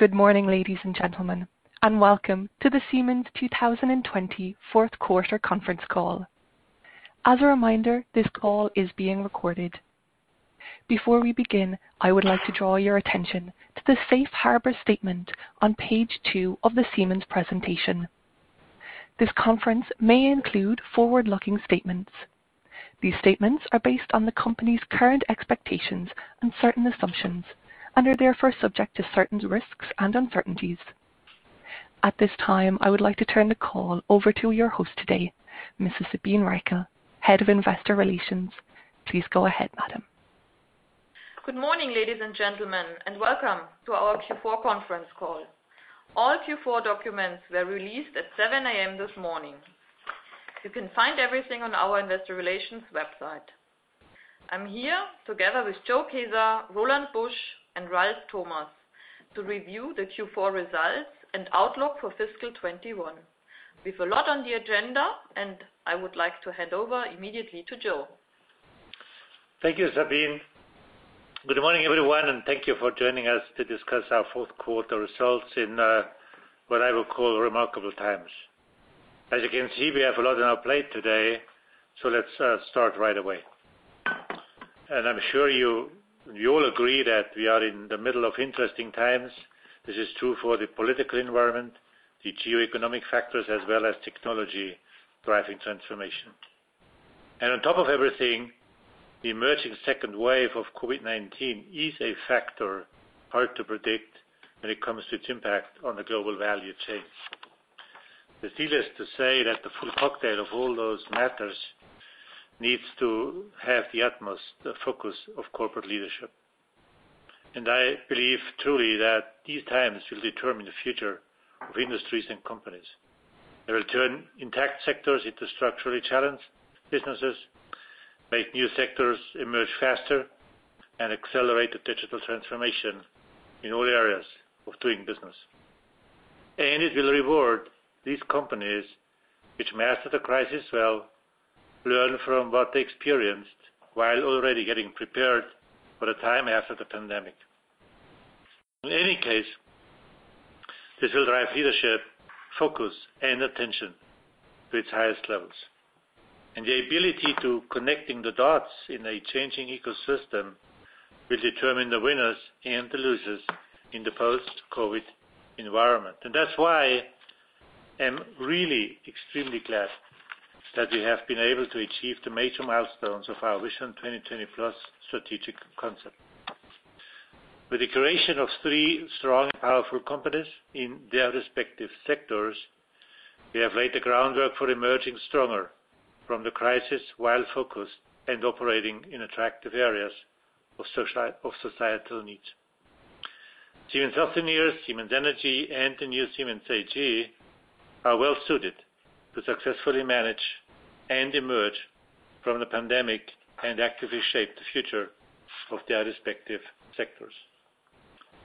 Good morning, ladies and gentlemen, and welcome to the Siemens 2020 fourth quarter conference call. As a reminder, this call is being recorded. Before we begin, I would like to draw your attention to the Safe Harbor statement on page two of the Siemens presentation. This conference may include forward-looking statements. These statements are based on the company's current expectations and certain assumptions, and are therefore subject to certain risks and uncertainties. At this time, I would like to turn the call over to your host today, Mrs. Sabine Reichel, Head of Investor Relations. Please go ahead, madam. Good morning, ladies and gentlemen, and welcome to our Q4 conference call. All Q4 documents were released at 7:00 A.M. this morning. You can find everything on our investor relations website. I'm here together with Joe Kaeser, Roland Busch, and Ralf Thomas to review the Q4 results and outlook for fiscal 2021. We've a lot on the agenda, I would like to hand over immediately to Joe. Thank you, Sabine. Good morning, everyone, and thank you for joining us to discuss our fourth quarter results in what I would call remarkable times. As you can see, we have a lot on our plate today, so let's start right away. I'm sure you all agree that we are in the middle of interesting times. This is true for the political environment, the geo-economic factors, as well as technology-driving transformation. On top of everything, the emerging second wave of COVID-19 is a factor hard to predict when it comes to its impact on the global value chain. Needless to say that the full cocktail of all those matters needs to have the utmost focus of corporate leadership. I believe truly that these times will determine the future of industries and companies. They will turn intact sectors into structurally challenged businesses, make new sectors emerge faster, and accelerate the digital transformation in all areas of doing business. It will reward these companies which master the crisis well, learn from what they experienced while already getting prepared for the time after the pandemic. In any case, this will drive leadership, focus, and attention to its highest levels. The ability to connecting the dots in a changing ecosystem will determine the winners and the losers in the post-COVID environment. That's why I'm really extremely glad that we have been able to achieve the major milestones of our Vision 2020+ strategic concept. With the creation of three strong, powerful companies in their respective sectors, we have laid the groundwork for emerging stronger from the crisis while focused and operating in attractive areas of societal needs. Siemens Healthineers, Siemens Energy, and the new Siemens AG are well-suited to successfully manage and emerge from the pandemic and actively shape the future of their respective sectors.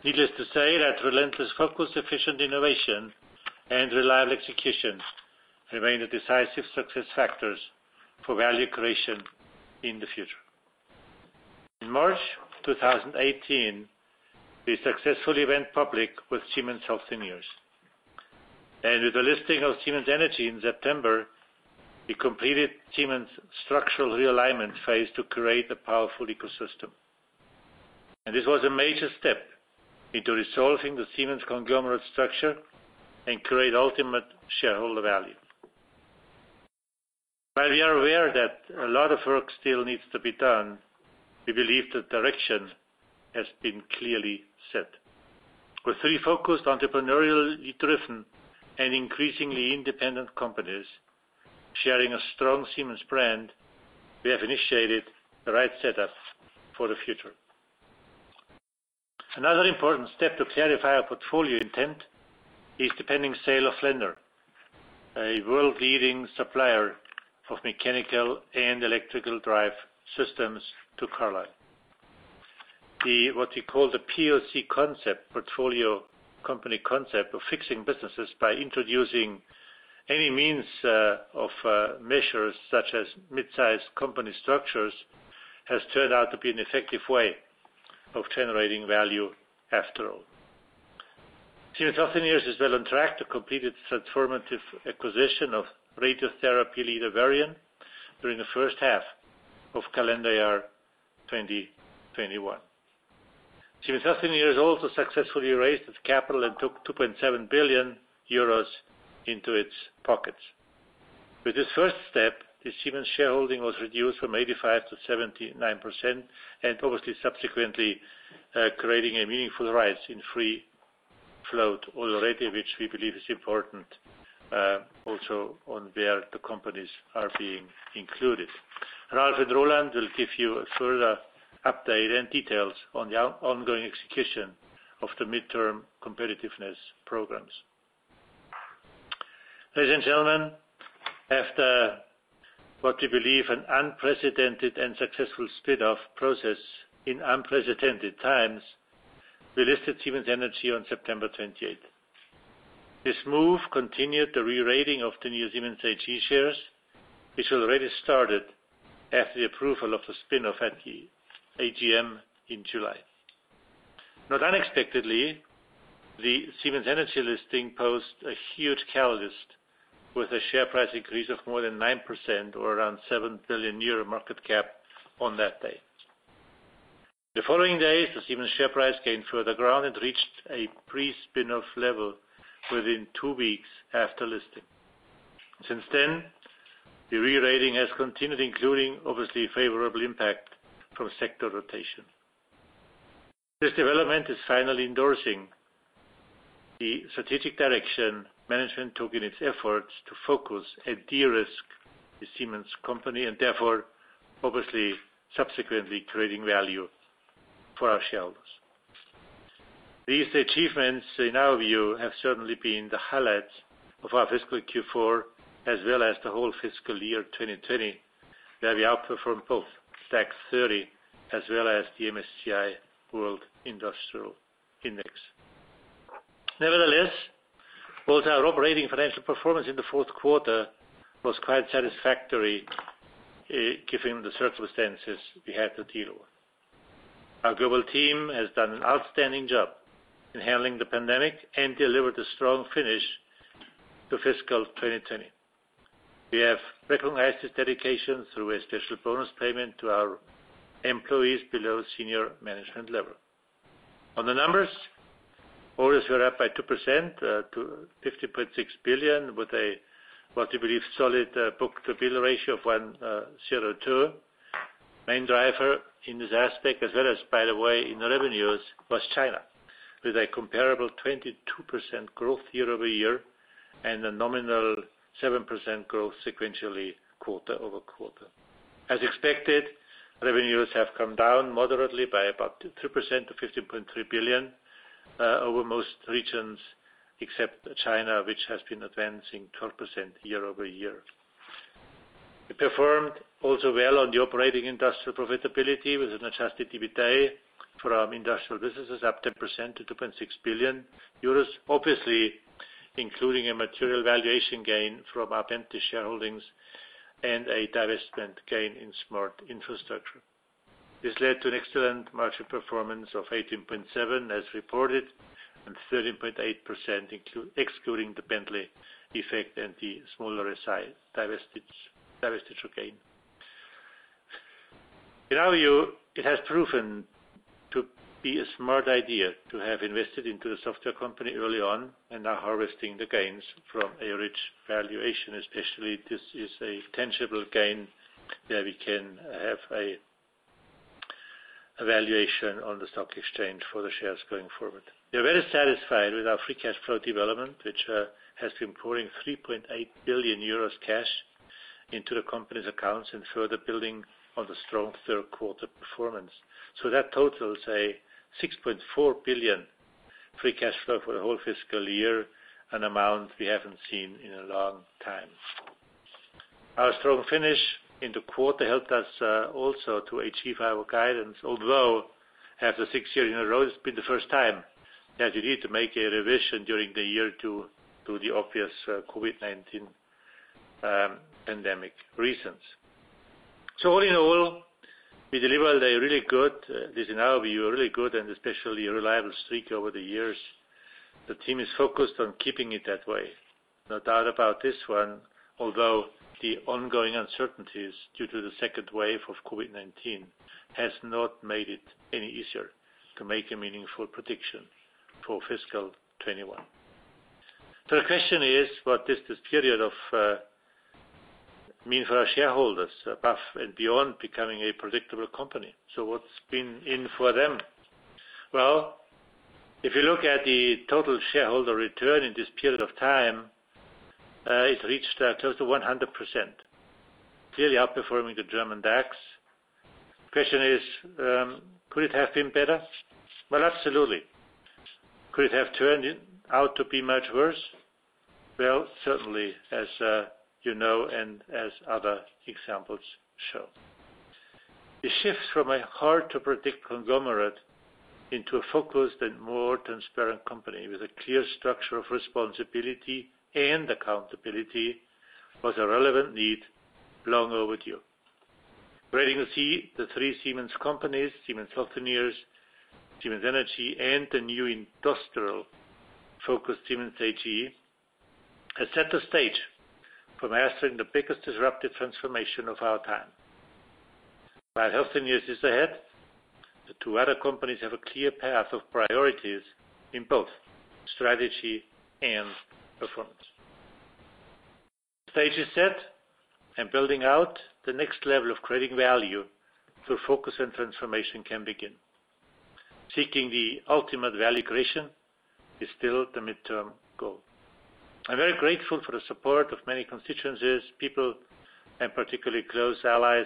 Needless to say that relentless focus, efficient innovation, and reliable execution remain the decisive success factors for value creation in the future. In March 2018, we successfully went public with Siemens Healthineers. With the listing of Siemens Energy in September, we completed Siemens' structural realignment phase to create a powerful ecosystem. This was a major step into resolving the Siemens conglomerate structure and create ultimate shareholder value. While we are aware that a lot of work still needs to be done, we believe the direction has been clearly set. With three focused, entrepreneurially driven, and increasingly independent companies sharing a strong Siemens brand, we have initiated the right setup for the future. Another important step to clarify our portfolio intent is the pending sale of Flender, a world-leading supplier of mechanical and electrical drive systems to Carlyle. What we call the POC concept, portfolio company concept, of fixing businesses by introducing any means of measures such as mid-sized company structures, has turned out to be an effective way of generating value after all. Siemens Healthineers is well on track to complete its transformative acquisition of radiotherapy leader Varian during the first half of calendar year 2021. Siemens Healthineers also successfully raised its capital and took 2.7 billion euros into its pockets. With this first step, the Siemens shareholding was reduced from 85% to 79%, and obviously subsequently creating a meaningful rise in free float already, which we believe is important, also on where the companies are being included. Ralf and Roland will give you a further update and details on the ongoing execution of the midterm competitiveness programs. Ladies and gentlemen, after what we believe an unprecedented and successful split-off process in unprecedented times, we listed Siemens Energy on September 28th. This move continued the re-rating of the new Siemens AG shares, which already started after the approval of the spin-off at the AGM in July. Not unexpectedly, the Siemens Energy listing posed a huge catalyst with a share price increase of more than 9% or around 7 billion euro market cap on that day. The following days, the Siemens share price gained further ground and reached a pre-spin-off level within two weeks after listing. Since then, the re-rating has continued, including obviously favorable impact from sector rotation. This development is finally endorsing the strategic direction management took in its efforts to focus and de-risk the Siemens company, therefore, obviously subsequently creating value for our shareholders. These achievements, in our view, have certainly been the highlights of our fiscal Q4 as well as the whole fiscal year 2020, where we outperformed both STOXX 30 as well as the MSCI World Industrials Index. Both our operating financial performance in the fourth quarter was quite satisfactory, given the circumstances we had to deal with. Our global team has done an outstanding job in handling the pandemic and delivered a strong finish to fiscal 2020. We have recognized this dedication through a special bonus payment to our employees below senior management level. On the numbers, orders were up by 2% to 50.6 billion, with a relatively solid book-to-bill ratio of 1.02. Main driver in this aspect as well as, by the way, in revenues, was China, with a comparable 22% growth year-over-year and a nominal 7% growth sequentially quarter-over-quarter. As expected, revenues have come down moderately by about 3% to 50.3 billion over most regions except China, which has been advancing 12% year-over-year. We performed also well on the operating industrial profitability with an adjusted EBITDA from industrial businesses up 10% to 2.6 billion euros, obviously including a material valuation gain from our Bentley shareholdings and a divestment gain in Smart Infrastructure. This led to an excellent margin performance of 18.7% as reported and 13.8% excluding the Bentley effect and the smaller SI divestiture gain. In our view, it has proven to be a smart idea to have invested into a software company early on and are harvesting the gains from a rich valuation. Especially, this is a tangible gain where we can have a valuation on the stock exchange for the shares going forward. We're very satisfied with our free cash flow development, which has been pouring 3.8 billion euros cash into the company's accounts and further building on the strong third quarter performance. That totals a 6.4 billion free cash flow for the whole fiscal year, an amount we haven't seen in a long time. Our strong finish in the quarter helped us also to achieve our guidance, although after six years in a row, it's been the first time that we need to make a revision during the year due to the obvious COVID-19 pandemic reasons. All in all, we delivered a really good, this in our view, a really good and especially reliable streak over the years. The team is focused on keeping it that way. No doubt about this one, although the ongoing uncertainties due to the second wave of COVID-19 has not made it any easier to make a meaningful prediction for fiscal 2021. The question is, what does this period of mean for our shareholders above and beyond becoming a predictable company? What's been in for them? If you look at the total shareholder return in this period of time, it reached close to 100%, clearly outperforming the German DAX. Question is, could it have been better? Absolutely. Could it have turned out to be much worse? Certainly, as you know, and as other examples show. The shift from a hard-to-predict conglomerate into a focused and more transparent company with a clear structure of responsibility and accountability was a relevant need long overdue. Breaking, you see, the three Siemens companies, Siemens Healthineers, Siemens Energy, and the new industrial-focused Siemens AG, has set the stage for mastering the biggest disruptive transformation of our time. While Healthineers is ahead, the two other companies have a clear path of priorities in both strategy and performance. Stage is set, building out the next level of creating value through focus and transformation can begin. Seeking the ultimate value creation is still the midterm goal. I'm very grateful for the support of many constituencies, people, and particularly close allies,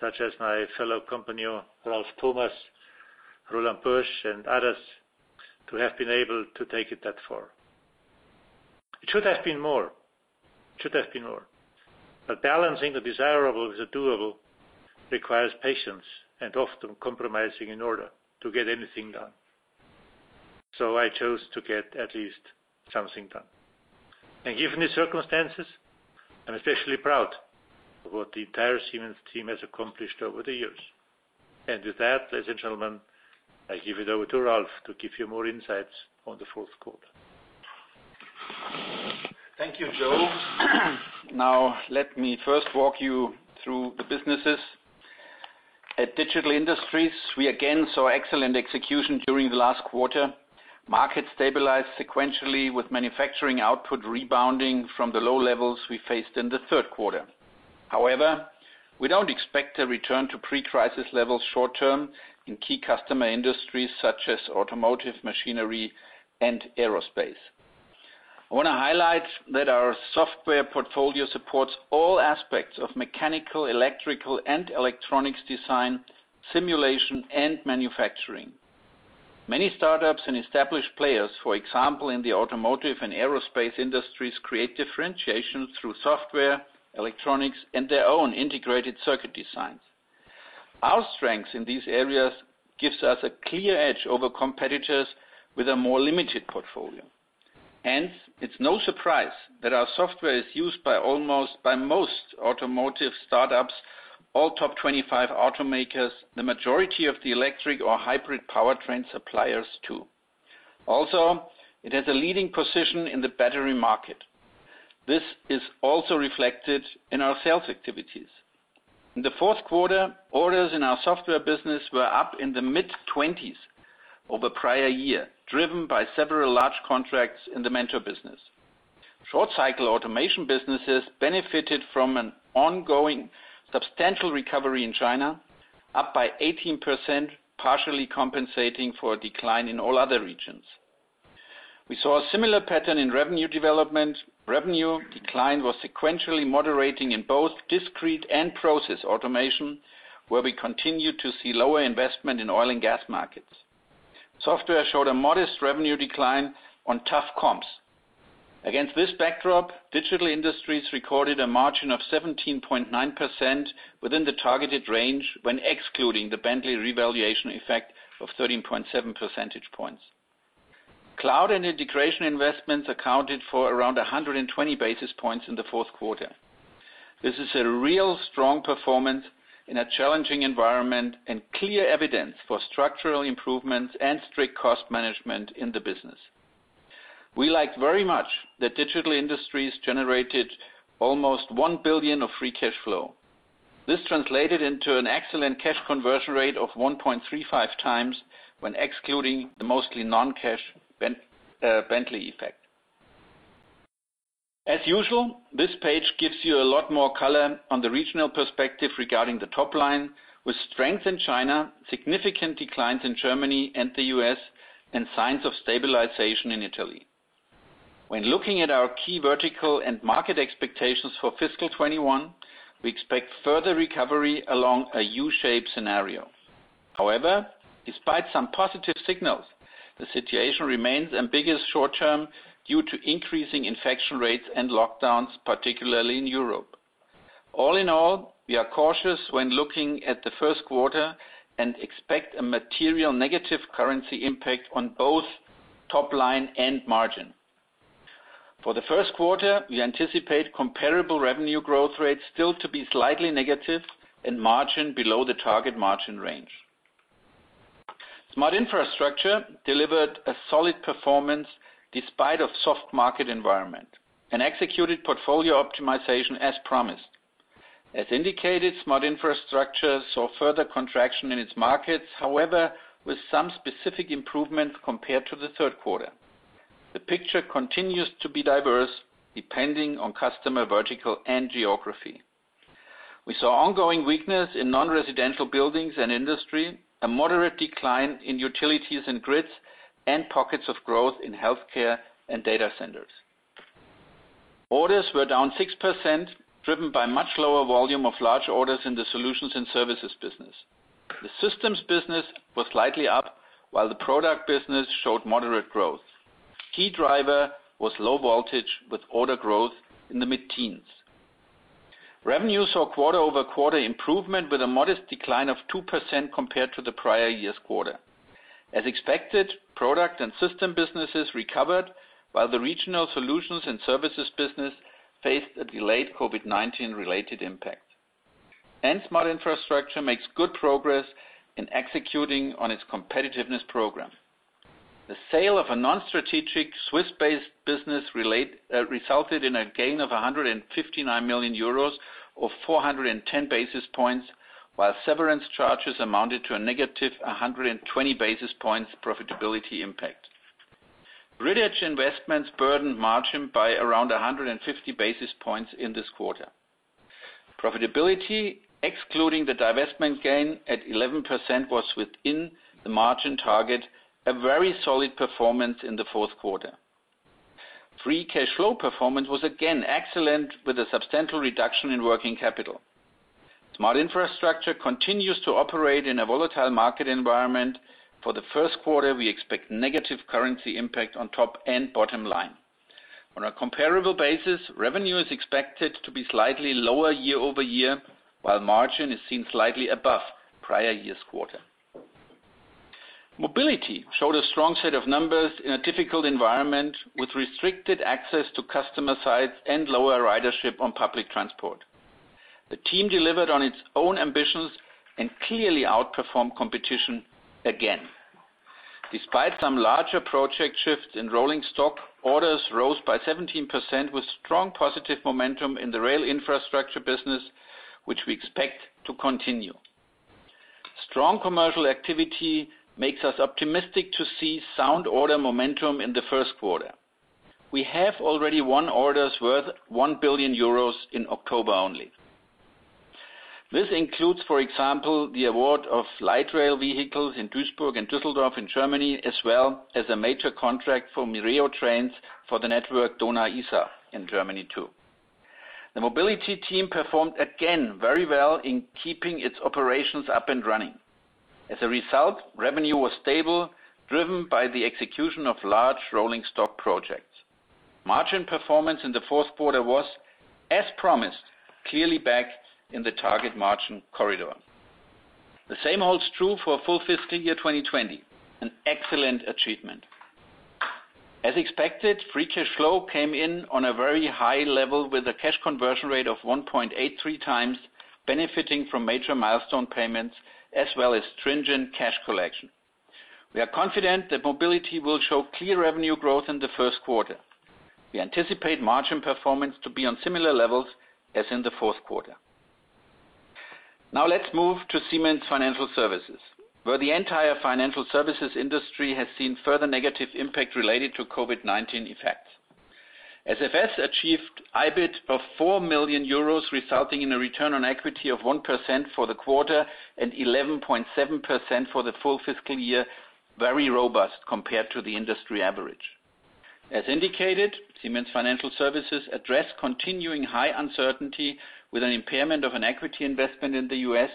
such as my fellow companion, Ralf Thomas, Roland Busch, and others, to have been able to take it that far. It should have been more. Balancing the desirable with the doable requires patience and often compromising in order to get anything done. I chose to get at least something done. Given the circumstances, I'm especially proud of what the entire Siemens team has accomplished over the years. With that, ladies and gentlemen, I give it over to Ralf to give you more insights on the fourth quarter. Thank you, Joe. Let me first walk you through the businesses. At Digital Industries, we again saw excellent execution during the last quarter. Markets stabilized sequentially with manufacturing output rebounding from the low levels we faced in the third quarter. We don't expect a return to pre-crisis levels short-term in key customer industries such as automotive, machinery, and aerospace. I want to highlight that our software portfolio supports all aspects of mechanical, electrical, and electronics design, simulation, and manufacturing. Many startups and established players, for example, in the automotive and aerospace industries, create differentiation through software, electronics, and their own integrated circuit designs. Our strengths in these areas gives us a clear edge over competitors with a more limited portfolio. It's no surprise that our software is used by most automotive startups, all top 25 automakers, the majority of the electric or hybrid powertrain suppliers too. Also, it has a leading position in the battery market. This is also reflected in our sales activities. In the fourth quarter, orders in our software business were up in the mid-20s over prior year, driven by several large contracts in the Mentor business. Short cycle automation businesses benefited from an ongoing substantial recovery in China, up by 18%, partially compensating for a decline in all other regions. We saw a similar pattern in revenue development. Revenue decline was sequentially moderating in both discrete and process automation, where we continued to see lower investment in oil and gas markets. Software showed a modest revenue decline on tough comps. Against this backdrop, Digital Industries recorded a margin of 17.9% within the targeted range when excluding the Bentley revaluation effect of 13.7 percentage points. Cloud and integration investments accounted for around 120 basis points in the fourth quarter. This is a real strong performance in a challenging environment and clear evidence for structural improvements and strict cost management in the business. We liked very much that Digital Industries generated almost 1 billion of free cash flow. This translated into an excellent cash conversion rate of 1.35x when excluding the mostly non-cash Bentley effect. As usual, this page gives you a lot more color on the regional perspective regarding the top line with strength in China, significant declines in Germany and the U.S., and signs of stabilization in Italy. When looking at our key vertical and market expectations for fiscal 2021, we expect further recovery along a U-shaped scenario. However, despite some positive signals, the situation remains ambiguous short term due to increasing infection rates and lockdowns, particularly in Europe. All in all, we are cautious when looking at the first quarter and expect a material negative currency impact on both top line and margin. For the first quarter, we anticipate comparable revenue growth rates still to be slightly negative and margin below the target margin range. Smart Infrastructure delivered a solid performance despite of soft market environment and executed portfolio optimization as promised. As indicated, Smart Infrastructure saw further contraction in its markets, however, with some specific improvement compared to the third quarter. The picture continues to be diverse depending on customer vertical and geography. We saw ongoing weakness in non-residential buildings and industry, a moderate decline in utilities and grids, and pockets of growth in healthcare and data centers. Orders were down 6%, driven by much lower volume of large orders in the solutions and services business. The systems business was slightly up, while the product business showed moderate growth. Key driver was low voltage with order growth in the mid-teens. Revenue saw quarter-over-quarter improvement with a modest decline of 2% compared to the prior year's quarter. As expected, product and system businesses recovered while the regional solutions and services business faced a delayed COVID-19 related impact. Smart Infrastructure makes good progress in executing on its competitiveness program. The sale of a non-strategic Swiss-based business resulted in a gain of 159 million euros or 410 basis points, while severance charges amounted to a negative 120 basis points profitability impact. Bridge investments burdened margin by around 150 basis points in this quarter. Profitability, excluding the divestment gain at 11%, was within the margin target, a very solid performance in the fourth quarter. Free cash flow performance was again excellent with a substantial reduction in working capital. Smart Infrastructure continues to operate in a volatile market environment. For the first quarter, we expect negative currency impact on top and bottom line. On a comparable basis, revenue is expected to be slightly lower year-over-year, while margin is seen slightly above prior year's quarter. Mobility showed a strong set of numbers in a difficult environment with restricted access to customer sites and lower ridership on public transport. The team delivered on its own ambitions and clearly outperformed competition again. Despite some larger project shifts in rolling stock, orders rose by 17% with strong positive momentum in the rail infrastructure business, which we expect to continue. Strong commercial activity makes us optimistic to see sound order momentum in the first quarter. We have already won orders worth 1 billion euros in October only. This includes, for example, the award of light rail vehicles in Duisburg and Duesseldorf in Germany, as well as a major contract for Mireo trains for the network Danube-Isar in Germany too. The Mobility team performed again very well in keeping its operations up and running. As a result, revenue was stable, driven by the execution of large rolling stock projects. Margin performance in the fourth quarter was, as promised, clearly back in the target margin corridor. The same holds true for full fiscal year 2020, an excellent achievement. As expected, free cash flow came in on a very high level with a cash conversion rate of 1.83x, benefiting from major milestone payments as well as stringent cash collection. We are confident that Mobility will show clear revenue growth in the first quarter. We anticipate margin performance to be on similar levels as in the fourth quarter. Let's move to Siemens Financial Services, where the entire financial services industry has seen further negative impact related to COVID-19 effects. SFS achieved EBIT of 4 million euros, resulting in a return on equity of 1% for the quarter and 11.7% for the full fiscal year, very robust compared to the industry average. As indicated, Siemens Financial Services addressed continuing high uncertainty with an impairment of an equity investment in the U.S.,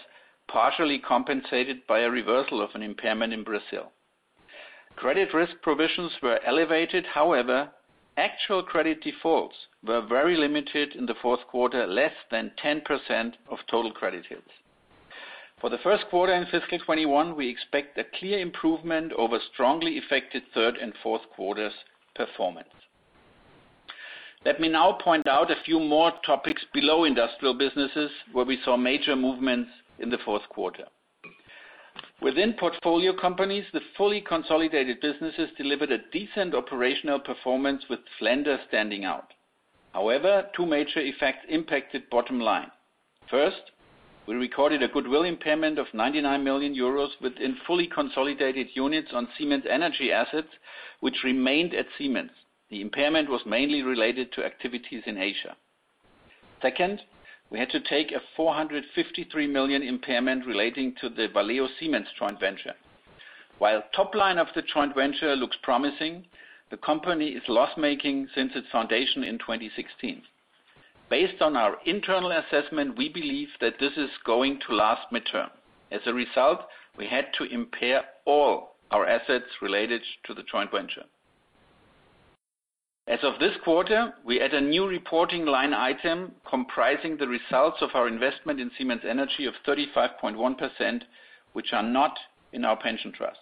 partially compensated by a reversal of an impairment in Brazil. Credit risk provisions were elevated, however, actual credit defaults were very limited in the fourth quarter, less than 10% of total credit hits. For the first quarter in fiscal 2021, we expect a clear improvement over strongly affected third and fourth quarters' performance. Let me now point out a few more topics below industrial businesses, where we saw major movements in the fourth quarter. Within portfolio companies, the fully consolidated businesses delivered a decent operational performance with Flender standing out. Two major effects impacted bottom line. First, we recorded a goodwill impairment of 99 million euros within fully consolidated units on Siemens Energy assets, which remained at Siemens. The impairment was mainly related to activities in Asia. Second, we had to take a 453 million impairment relating to the Valeo Siemens joint venture. Top line of the joint venture looks promising, the company is loss-making since its foundation in 2016. Based on our internal assessment, we believe that this is going to last midterm. We had to impair all our assets related to the joint venture. As of this quarter, we add a new reporting line item comprising the results of our investment in Siemens Energy of 35.1%, which are not in our pension trust.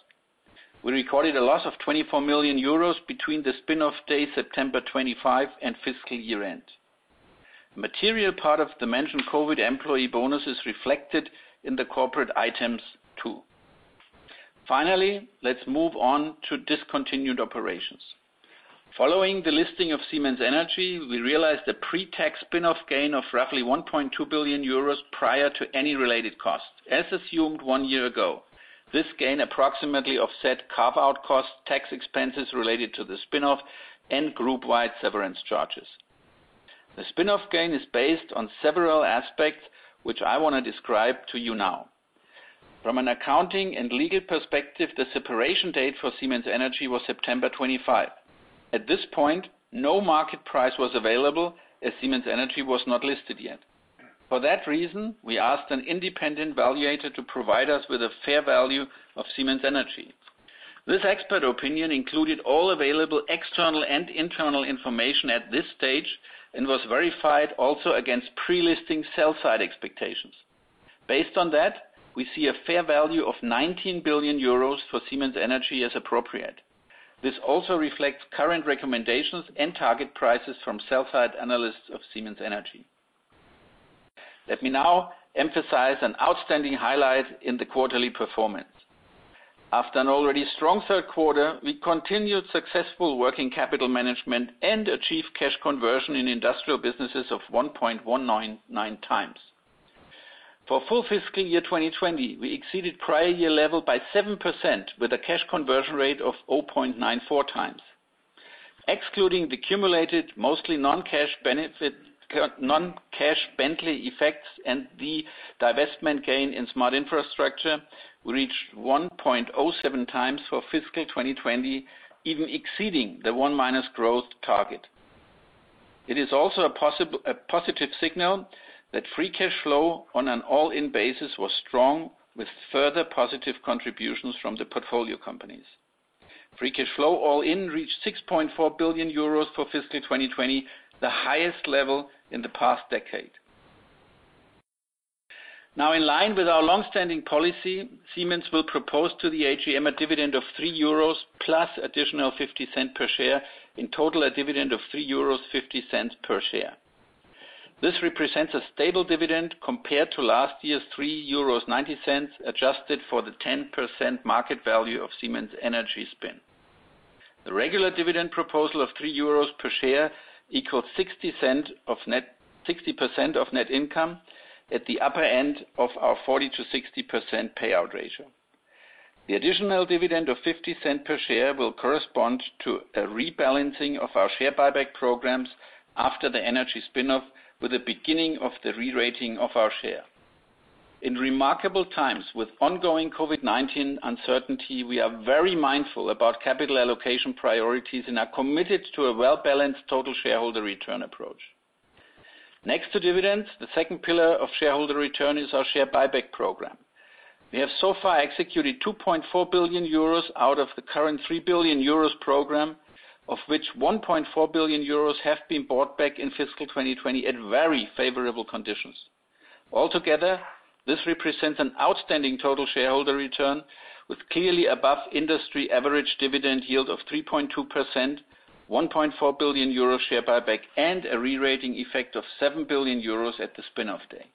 We recorded a loss of 24 million euros between the spin-off date, September 25, and fiscal year-end. Material part of the mentioned COVID-19 employee bonus is reflected in the corporate items too. Let's move on to discontinued operations. Following the listing of Siemens Energy, we realized a pre-tax spin-off gain of roughly 1.2 billion euros prior to any related costs, as assumed one year ago. This gain approximately offset carve-out costs, tax expenses related to the spin-off, and group-wide severance charges. The spin-off gain is based on several aspects, which I want to describe to you now. From an accounting and legal perspective, the separation date for Siemens Energy was September 25. At this point, no market price was available as Siemens Energy was not listed yet. We asked an independent valuator to provide us with a fair value of Siemens Energy. This expert opinion included all available external and internal information at this stage and was verified also against pre-listing sell side expectations. Based on that, we see a fair value of 19 billion euros for Siemens Energy as appropriate. This also reflects current recommendations and target prices from sell side analysts of Siemens Energy. Let me now emphasize an outstanding highlight in the quarterly performance. After an already strong third quarter, we continued successful working capital management and achieved cash conversion in industrial businesses of 1.199x. For full fiscal year 2020, we exceeded prior year level by 7% with a cash conversion rate of 0.94x. Excluding the cumulated mostly non-cash Bentley effects and the divestment gain in Smart Infrastructure, we reached 1.07x for fiscal 2020, even exceeding the one minus growth target. It is also a positive signal that free cash flow on an all-in basis was strong with further positive contributions from the portfolio companies. Free cash flow all-in reached 6.4 billion euros for fiscal 2020, the highest level in the past decade. In line with our longstanding policy, Siemens will propose to the AGM a dividend of 3 euros plus an additional 0.50 per share. In total, a dividend of 3.50 euros per share. This represents a stable dividend compared to last year's 3.90 euros, adjusted for the 10% market value of Siemens Energy spin. The regular dividend proposal of 3 euros per share equals 60% of net income at the upper end of our 40%-60% payout ratio. The additional dividend of 0.50 per share will correspond to a rebalancing of our share buyback programs after the energy spin-off, with the beginning of the re-rating of our share. In remarkable times with ongoing COVID-19 uncertainty, we are very mindful about capital allocation priorities and are committed to a well-balanced total shareholder return approach. Next to dividends, the second pillar of shareholder return is our share buyback program. We have so far executed 2.4 billion euros out of the current 3 billion euros program, of which 1.4 billion euros have been bought back in fiscal 2020 at very favorable conditions. Altogether, this represents an outstanding total shareholder return with clearly above industry average dividend yield of 3.2%, 1.4 billion euro share buyback, and a re-rating effect of 7 billion euros at the spin-off date.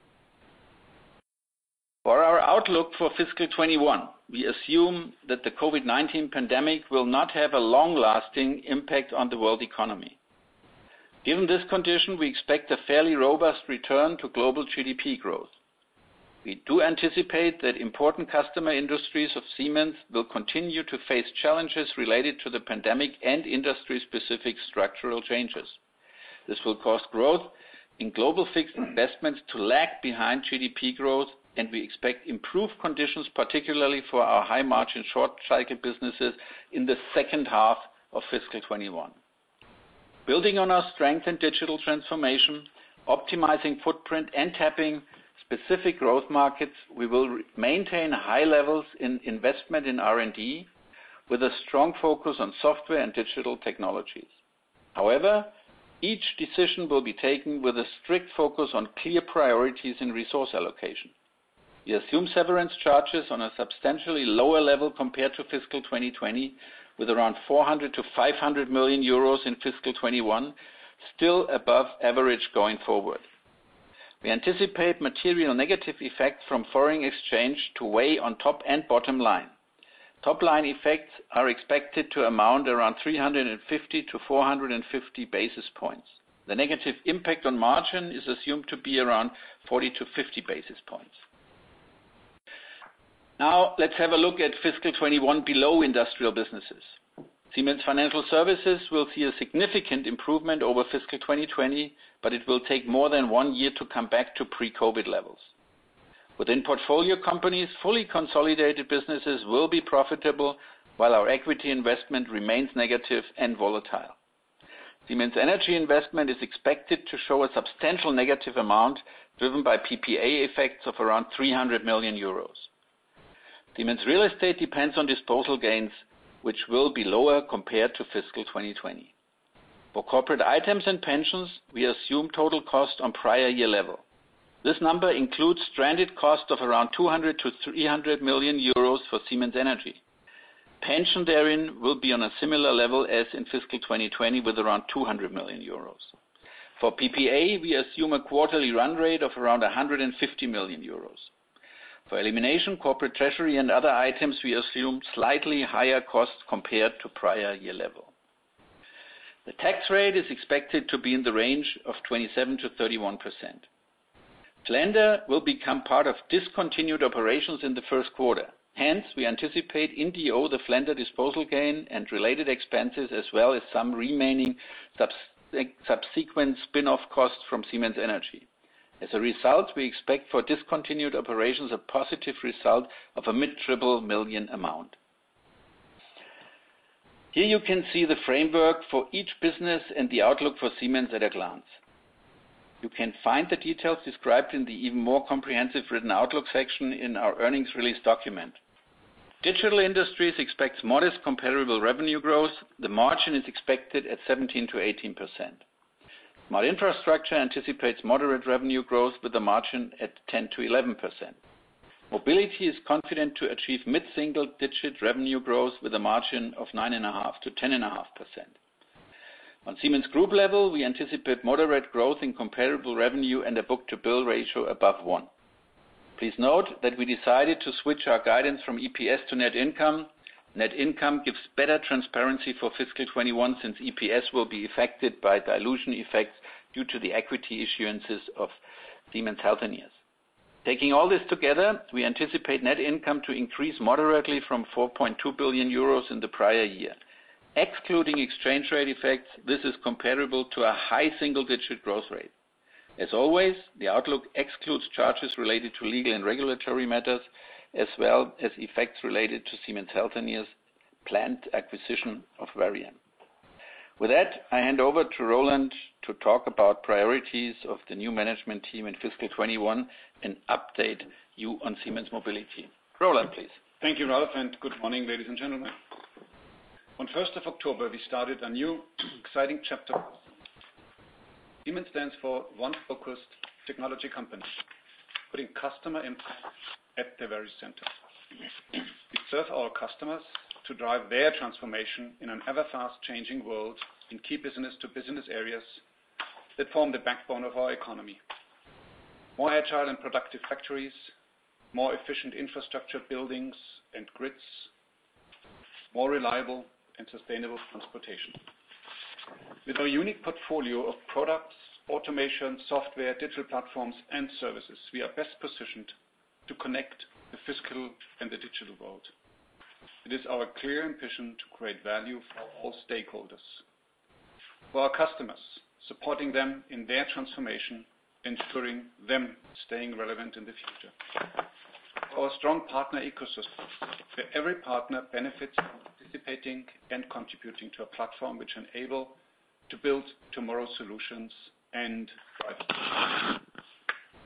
For our outlook for fiscal 2021, we assume that the COVID-19 pandemic will not have a long-lasting impact on the world economy. Given this condition, we expect a fairly robust return to global GDP growth. We do anticipate that important customer industries of Siemens will continue to face challenges related to the pandemic and industry-specific structural changes. This will cause growth in global fixed investments to lag behind GDP growth, and we expect improved conditions, particularly for our high-margin, short-cycle businesses in the second half of fiscal 2021. Building on our strength in digital transformation, optimizing footprint, and tapping specific growth markets, we will maintain high levels in investment in R&D with a strong focus on software and digital technologies. However, each decision will be taken with a strict focus on clear priorities in resource allocation. We assume severance charges on a substantially lower level compared to fiscal 2020, with around 400 million-500 million euros in fiscal 2021, still above average going forward. We anticipate material negative effects from foreign exchange to weigh on top and bottom line. Top-line effects are expected to amount around 350 basis points-450 basis points. The negative impact on margin is assumed to be around 40 basis points-50 basis points. Let's have a look at fiscal 2021 below industrial businesses. Siemens Financial Services will see a significant improvement over fiscal 2020, but it will take more than one year to come back to pre-COVID-19 levels. Within portfolio companies, fully consolidated businesses will be profitable, while our equity investment remains negative and volatile. Siemens Energy investment is expected to show a substantial negative amount driven by PPA effects of around 300 million euros. Siemens Real Estate depends on disposal gains, which will be lower compared to fiscal 2020. For corporate items and pensions, we assume total cost on prior year level. This number includes stranded cost of around 200 million-300 million euros for Siemens Energy. Pension therein will be on a similar level as in fiscal 2020 with around 200 million euros. For PPA, we assume a quarterly run-rate of around 150 million euros. For elimination, corporate treasury, and other items, we assume slightly higher costs compared to prior year level. The tax rate is expected to be in the range of 27%-31%. Flender will become part of discontinued operations in the first quarter. Hence, we anticipate in DO the Flender disposal gain and related expenses, as well as some remaining subsequent spin-off costs from Siemens Energy. As a result, we expect for discontinued operations a positive result of a mid-triple million amount. Here you can see the framework for each business and the outlook for Siemens at a glance. You can find the details described in the even more comprehensive written outlook section in our earnings release document. Digital Industries expects modest comparable revenue growth. The margin is expected at 17%-18%. Smart Infrastructure anticipates moderate revenue growth with the margin at 10%-11%. Mobility is confident to achieve mid-single-digit revenue growth with a margin of 9.5%-10.5%. On Siemens Group level, we anticipate moderate growth in comparable revenue and a book-to-bill ratio above 1. Please note that we decided to switch our guidance from EPS to net income. Net income gives better transparency for fiscal 2021 since EPS will be affected by dilution effects due to the equity issuances of Siemens Healthineers. Taking all this together, we anticipate net income to increase moderately from 4.2 billion euros in the prior year. Excluding exchange rate effects, this is comparable to a high single-digit growth rate. As always, the outlook excludes charges related to legal and regulatory matters, as well as effects related to Siemens Healthineers' planned acquisition of Varian. With that, I hand over to Roland to talk about priorities of the new management team in fiscal 2021 and update you on Siemens Mobility. Roland, please. Thank you, Ralf. Good morning, ladies and gentlemen. On the 1st of October, we started a new, exciting chapter. Siemens stands for one focused technology company, putting customer impact at the very center. We serve our customers to drive their transformation in an ever-fast changing world in key business-to-business areas that form the backbone of our economy. More agile and productive factories, more efficient infrastructure buildings and grids, more reliable and sustainable transportation. With our unique portfolio of products, automation, software, digital platforms, and services, we are best positioned to connect the physical and digital world. It is our clear ambition to create value for all stakeholders. For our customers, supporting them in their transformation, ensuring they stay relevant in the future. For our strong partner ecosystem, where every partner benefits from participating and contributing to a platform which enables to build tomorrow's solutions and drive growth.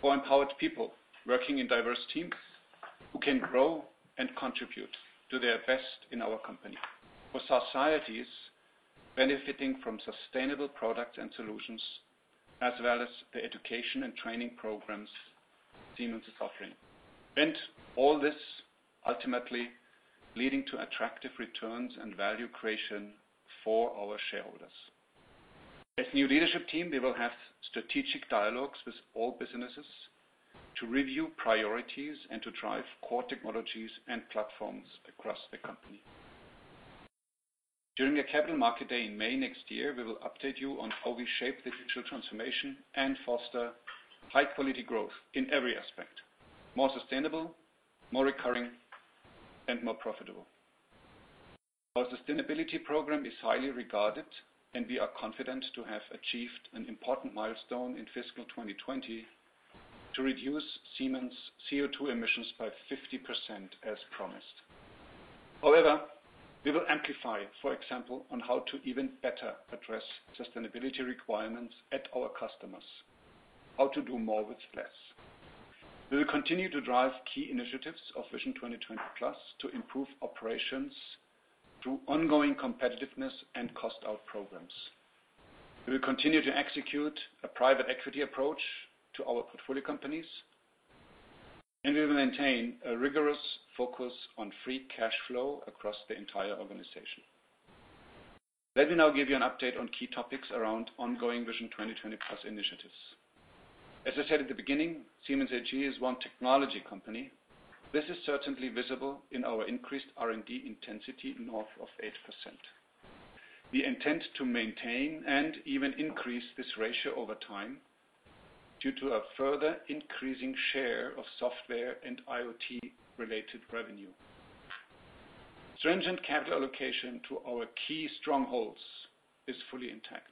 For empowered people working in diverse teams who can grow and contribute to their best in our company. For societies benefiting from sustainable products and solutions, as well as the education and training programs Siemens is offering. All this ultimately leading to attractive returns and value creation for our shareholders. As the new leadership team, we will have strategic dialogues with all businesses to review priorities and to drive core technologies and platforms across the company. During the Capital Market Day in May next year, we will update you on how we shape the digital transformation and foster high-quality growth in every aspect. More sustainable, more recurring, and more profitable. Our sustainability program is highly regarded, and we are confident to have achieved an important milestone in fiscal 2020 to reduce Siemens' CO2 emissions by 50% as promised. However, we will amplify, for example, on how to even better address sustainability requirements at our customers. How to do more with less. We will continue to drive key initiatives of Vision 2020+ to improve operations through ongoing competitiveness and cost out programs. We will continue to execute a private equity approach to our portfolio companies, and we will maintain a rigorous focus on free cash flow across the entire organization. Let me now give you an update on key topics around ongoing Vision 2020+ initiatives. As I said at the beginning, Siemens AG is one technology company. This is certainly visible in our increased R&D intensity north of 8%. We intend to maintain and even increase this ratio over time due to a further increasing share of software and IoT-related revenue. Stringent capital allocation to our key strongholds is fully intact,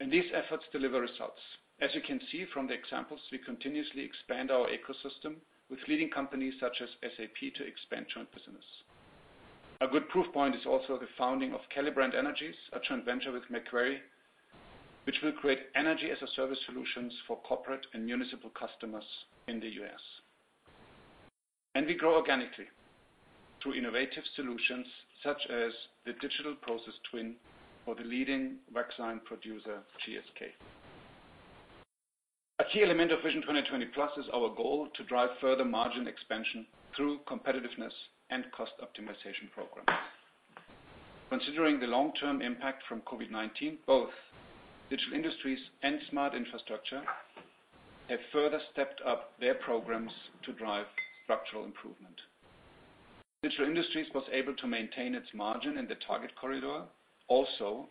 and these efforts deliver results. As you can see from the examples, we continuously expand our ecosystem with leading companies such as SAP to expand joint business. A good proof point is also the founding of Calibrant Energy, a joint venture with Macquarie, which will create energy-as-a-service solutions for corporate and municipal customers in the U.S. We grow organically through innovative solutions such as the digital process twin for the leading vaccine producer, GSK. A key element of Vision 2020+ is our goal to drive further margin expansion through competitiveness and cost optimization programs. Considering the long-term impact from COVID-19, both Digital Industries and Smart Infrastructure have further stepped up their programs to drive structural improvement. Digital Industries was able to maintain its margin in the target corridor also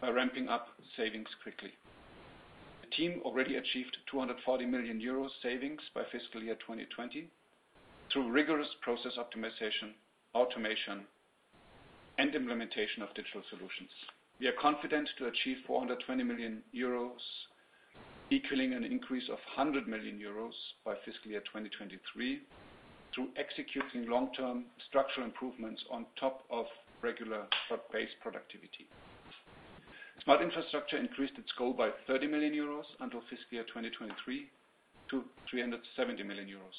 by ramping up savings quickly. The team already achieved 240 million euros savings by fiscal year 2020 through rigorous process optimization, automation, and implementation of digital solutions. We are confident to achieve 420 million euros, equaling an increase of 100 million euros by fiscal year 2023 through executing long-term structural improvements on top of regular cost base productivity. Smart Infrastructure increased its goal by 30 million euros until fiscal year 2023 to 370 million euros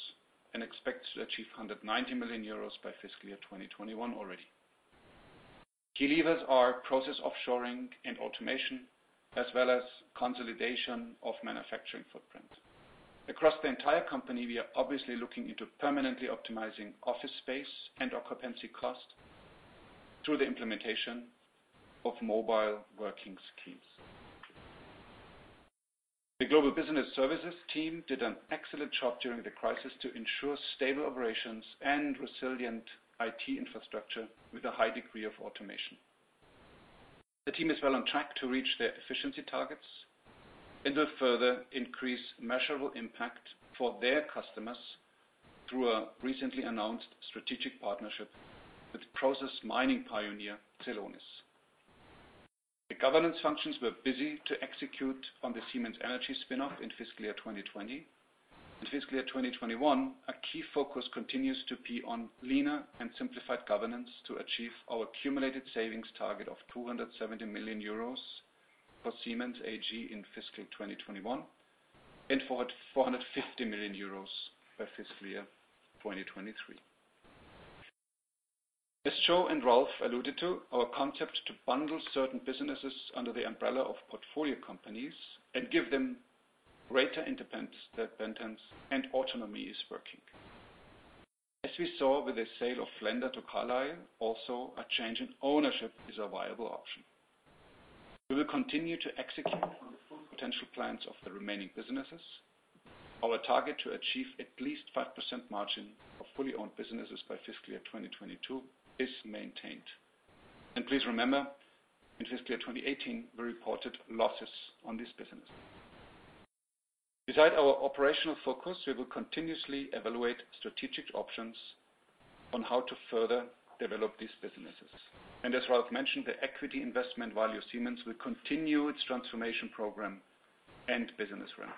and expects to achieve 190 million euros by fiscal year 2021 already. Key levers are process offshoring and automation, as well as consolidation of manufacturing footprint. Across the entire company, we are obviously looking into permanently optimizing office space and occupancy cost through the implementation of mobile working schemes. The Global Business Services team did an excellent job during the crisis to ensure stable operations and resilient IT infrastructure with a high degree of automation. The team is well on track to reach their efficiency targets and will further increase measurable impact for their customers. Through our recently announced strategic partnership with process mining pioneer Celonis. The governance functions were busy to execute on the Siemens Energy spin-off in fiscal year 2020. In fiscal year 2021, our key focus continues to be on leaner and simplified governance to achieve our accumulated savings target of 270 million euros for Siemens AG in fiscal 2021, and for 450 million euros by fiscal year 2023. As Joe and Ralf alluded to, our concept to bundle certain businesses under the umbrella of portfolio companies and give them greater independence and autonomy is working. As we saw with the sale of Flender to Carlyle, also a change in ownership is a viable option. We will continue to execute on the full potential plans of the remaining businesses. Our target to achieve at least 5% margin of fully-owned businesses by fiscal year 2022 is maintained. Please remember, in fiscal year 2018, we reported losses on this business. Besides our operational focus, we will continuously evaluate strategic options on how to further develop these businesses. As Ralf mentioned, the equity investment Valeo Siemens will continue its transformation program and business ramp.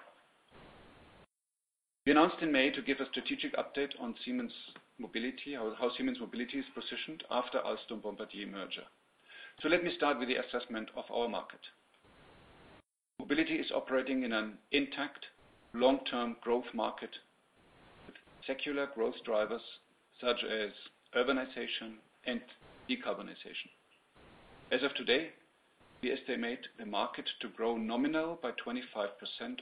We announced in May to give a strategic update on how Siemens Mobility is positioned after Alstom Bombardier merger. Let me start with the assessment of our market. Mobility is operating in an intact long-term growth market with secular growth drivers such as urbanization and decarbonization. As of today, we estimate the market to grow nominal by 25%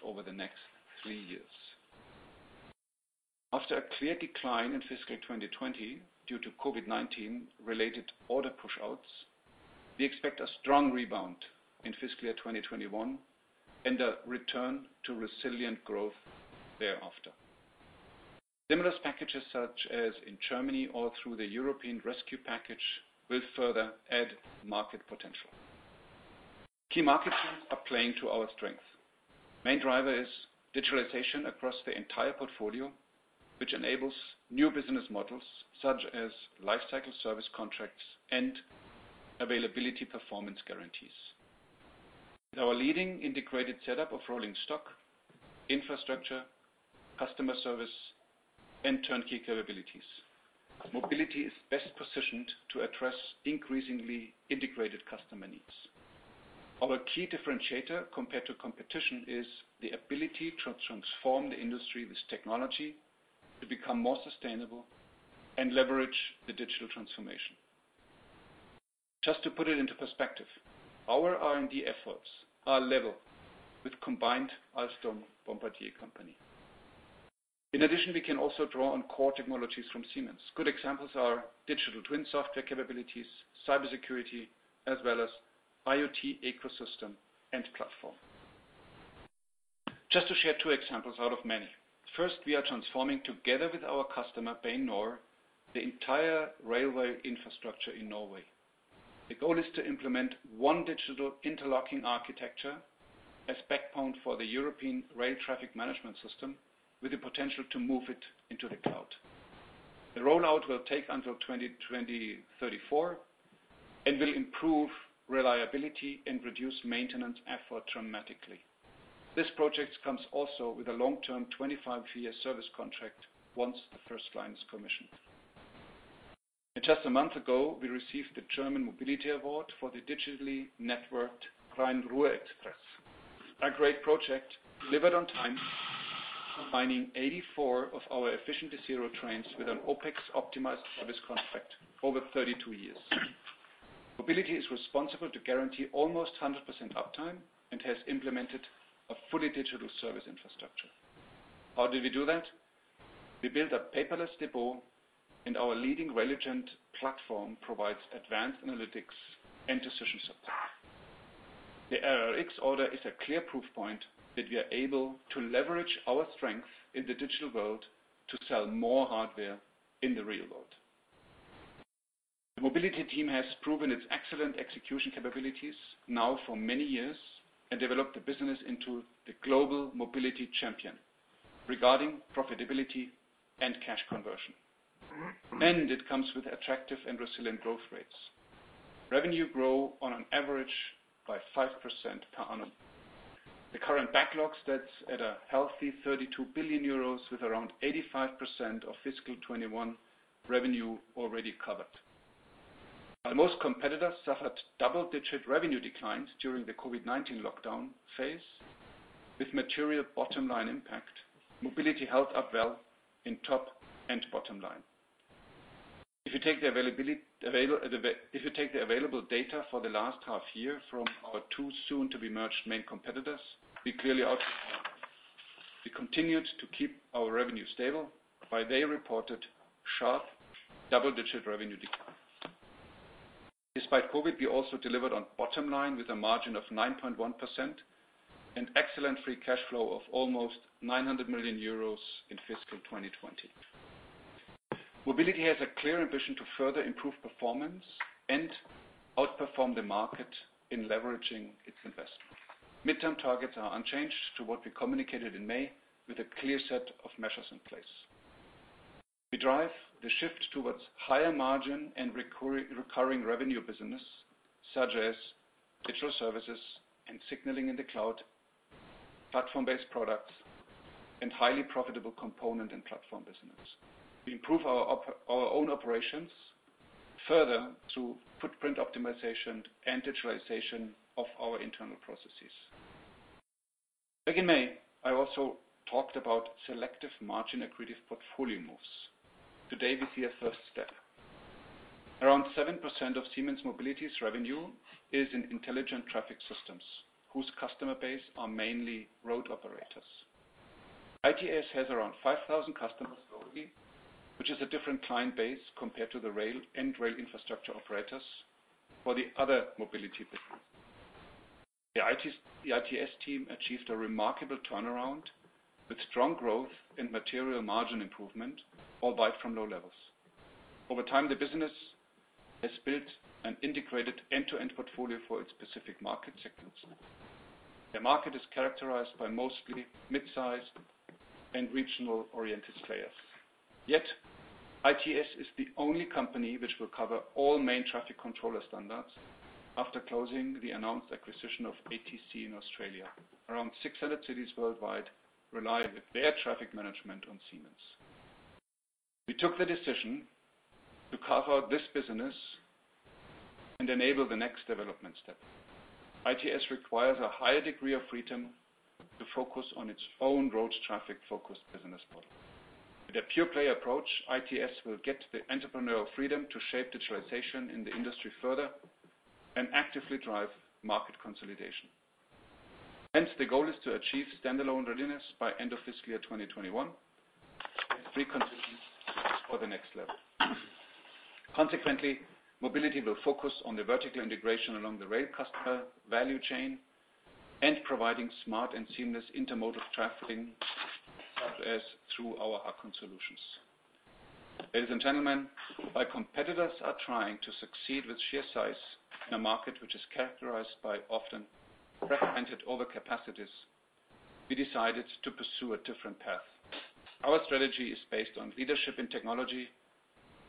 over the next three years. After a clear decline in fiscal 2020 due to COVID-19 related order push-outs, we expect a strong rebound in fiscal year 2021 and a return to resilient growth thereafter. Stimulus packages such as in Germany or through the European Recovery Package will further add market potential. Key market trends are playing to our strength. Main driver is digitalization across the entire portfolio, which enables new business models such as life cycle service contracts and availability performance guarantees. Our leading integrated setup of rolling stock, infrastructure, customer service, and turnkey capabilities. Mobility is best positioned to address increasingly integrated customer needs. Our key differentiator compared to competition is the ability to transform the industry with technology to become more sustainable and leverage the digital transformation. Just to put it into perspective, our R&D efforts are level with combined Alstom Bombardier company. In addition, we can also draw on core technologies from Siemens. Good examples are digital twin software capabilities, cybersecurity, as well as IoT ecosystem and platform. Just to share two examples out of many. First, we are transforming together with our customer, Bane NOR, the entire railway infrastructure in Norway. The goal is to implement one digital interlocking architecture as backbone for the European Rail Traffic Management System, with the potential to move it into the cloud. The rollout will take until 2034 and will improve reliability and reduce maintenance effort dramatically. This project comes also with a long-term 25-year service contract once the first line is commissioned. Just a month ago, we received the German Mobility Award for the digitally networked Rhein-Ruhr Express. A great project delivered on time, combining 84 of our efficient Desiro trains with an OpEx-optimized service contract over 32 years. Mobility is responsible to guarantee almost 100% uptime and has implemented a fully digital service infrastructure. How did we do that? We built a paperless depot, and our leading Railigent platform provides advanced analytics and decision support. The RRX order is a clear proof point that we are able to leverage our strength in the digital world to sell more hardware in the real world. The Mobility team has proven its excellent execution capabilities now for many years and developed the business into the global Mobility champion regarding profitability and cash conversion. It comes with attractive and resilient growth rates. Revenue grow on an average by 5% per annum. The current backlogs, that's at a healthy 32 billion euros with around 85% of fiscal 2021 revenue already covered. While most competitors suffered double-digit revenue declines during the COVID-19 lockdown phase with material bottom-line impact, Mobility held up well in top and bottom line. If you take the available data for the last half year from our two soon-to-be-merged main competitors, we clearly outperformed. We continued to keep our revenue stable, while they reported sharp double-digit revenue decline. Despite COVID, we also delivered on bottom line with a margin of 9.1% and excellent free cash flow of almost 900 million euros in fiscal 2020. Mobility has a clear vision to further improve performance and outperform the market in leveraging its investment. Midterm targets are unchanged to what we communicated in May, with a clear set of measures in place. We drive the shift towards higher margin and recurring revenue business, such as digital services and signaling in the cloud, platform-based products, and highly profitable component and platform business. We improve our own operations further through footprint optimization and digitalization of our internal processes. Back in May, I also talked about selective margin-accretive portfolio moves. Today, we see a first step. Around 7% of Siemens Mobility's revenue is in Intelligent Traffic Systems, whose customer base are mainly road operators. ITS has around 5,000 customers globally, which is a different client base compared to the rail and rail infrastructure operators for the other Mobility business. The ITS team achieved a remarkable turnaround with strong growth and material margin improvement, albeit from low levels. Over time, the business has built an integrated end-to-end portfolio for its specific market segments. The market is characterized by mostly mid-sized and regional-oriented players. ITS is the only company which will cover all main traffic controller standards after closing the announced acquisition of ATC in Australia. Around 600 cities worldwide rely with their traffic management on Siemens. We took the decision to carve out this business and enable the next development step. ITS requires a higher degree of freedom to focus on its own road traffic-focused business model. With a pure-play approach, ITS will get the entrepreneurial freedom to shape digitalization in the industry further and actively drive market consolidation. The goal is to achieve standalone readiness by end of fiscal year 2021 and pre-conditions for the next level. Mobility will focus on the vertical integration along the rail customer value chain and providing smart and seamless intermodal traveling, such as through our HaCon solutions. Ladies and gentlemen, our competitors are trying to succeed with sheer size in a market which is characterized by often fragmented overcapacities. We decided to pursue a different path. Our strategy is based on leadership in technology,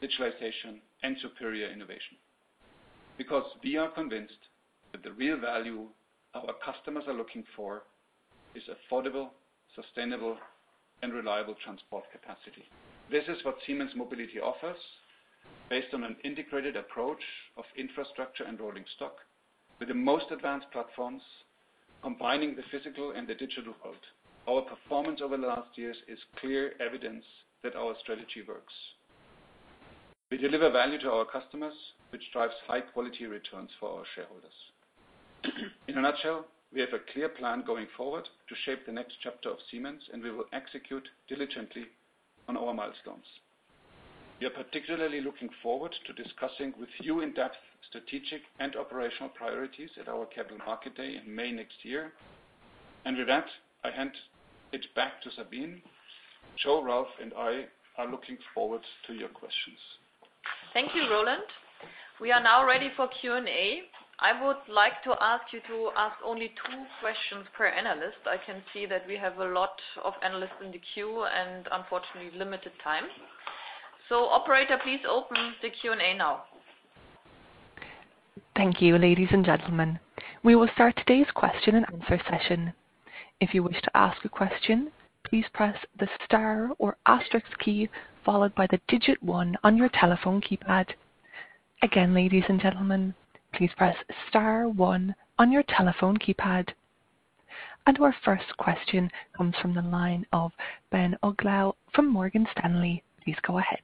digitalization, and superior innovation. We are convinced that the real value our customers are looking for is affordable, sustainable, and reliable transport capacity. This is what Siemens Mobility offers, based on an integrated approach of infrastructure and rolling stock with the most advanced platforms, combining the physical and the digital world. Our performance over the last years is clear evidence that our strategy works. We deliver value to our customers, which drives high-quality returns for our shareholders. In a nutshell, we have a clear plan going forward to shape the next chapter of Siemens, and we will execute diligently on our milestones. We are particularly looking forward to discussing with you in-depth strategic and operational priorities at our Capital Market Day in May next year. With that, I hand it back to Sabine. Joe, Ralf, and I are looking forward to your questions. Thank you, Roland. We are now ready for Q&A. I would like to ask you to ask only two questions per analyst. I can see that we have a lot of analysts in the queue and unfortunately, limited time. Operator, please open the Q&A now. Thank you, ladies and gentlemen. We will start today's question-and-answer session. If you wish to ask a question, please press the star or asterisk key followed by the digit one on your telephone keypad. Again, ladies and gentlemen, please press star one on your telephone keypad. Our first question comes from the line of Ben Uglow from Morgan Stanley. Please go ahead.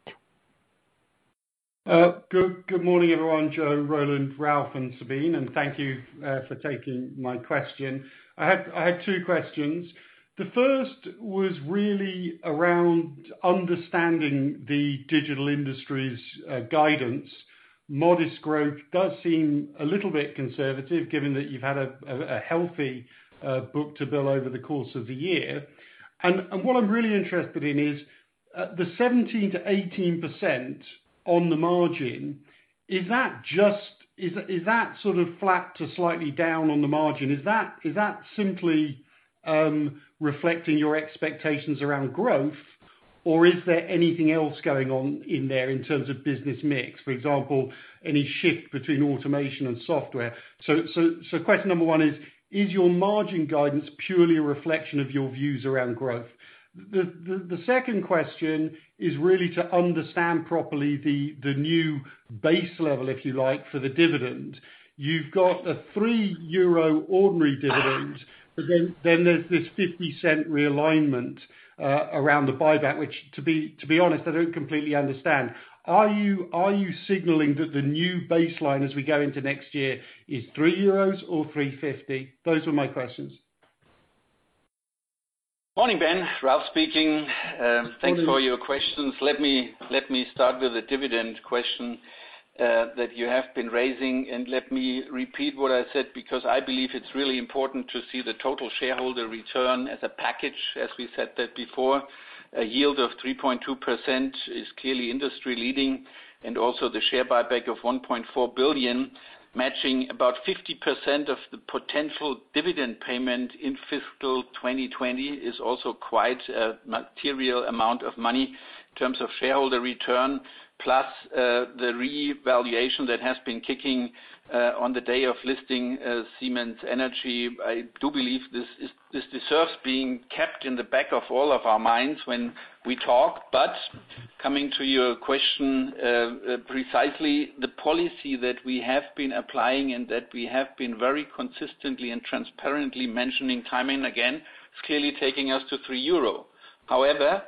Good morning, everyone, Joe, Roland, Ralf, and Sabine. Thank you for taking my question. I had two questions. The first was really around understanding the Digital Industries' guidance. Modest growth does seem a little bit conservative, given that you've had a healthy book-to-bill over the course of the year. What I'm really interested in is the 17%-18% on the margin. Is that sort of flat to slightly down on the margin? Is that simply reflecting your expectations around growth, or is there anything else going on in there in terms of business mix? For example, any shift between automation and software. Question number one is: Is your margin guidance purely a reflection of your views around growth? The second question is really to understand properly the new base level, if you like, for the dividend. You've got a 3 euro ordinary dividend, but then there's this 0.50 realignment around the buyback, which, to be honest, I don't completely understand. Are you signaling that the new baseline as we go into next year is 3 euros or 3.50? Those are my questions. Morning, Ben. Ralf speaking. Thanks for your questions. Let me start with the dividend question. That you have been raising. Let me repeat what I said because I believe it's really important to see the total shareholder return as a package, as we said that before. A yield of 3.2% is clearly industry leading, and also the share buyback of 1.4 billion matching about 50% of the potential dividend payment in fiscal 2020 is also quite a material amount of money in terms of shareholder return. Plus the revaluation that has been kicking on the day of listing Siemens Energy. I do believe this deserves being kept in the back of all of our minds when we talk. Coming to your question, precisely the policy that we have been applying and that we have been very consistently and transparently mentioning time and again is clearly taking us to 3 euro. However,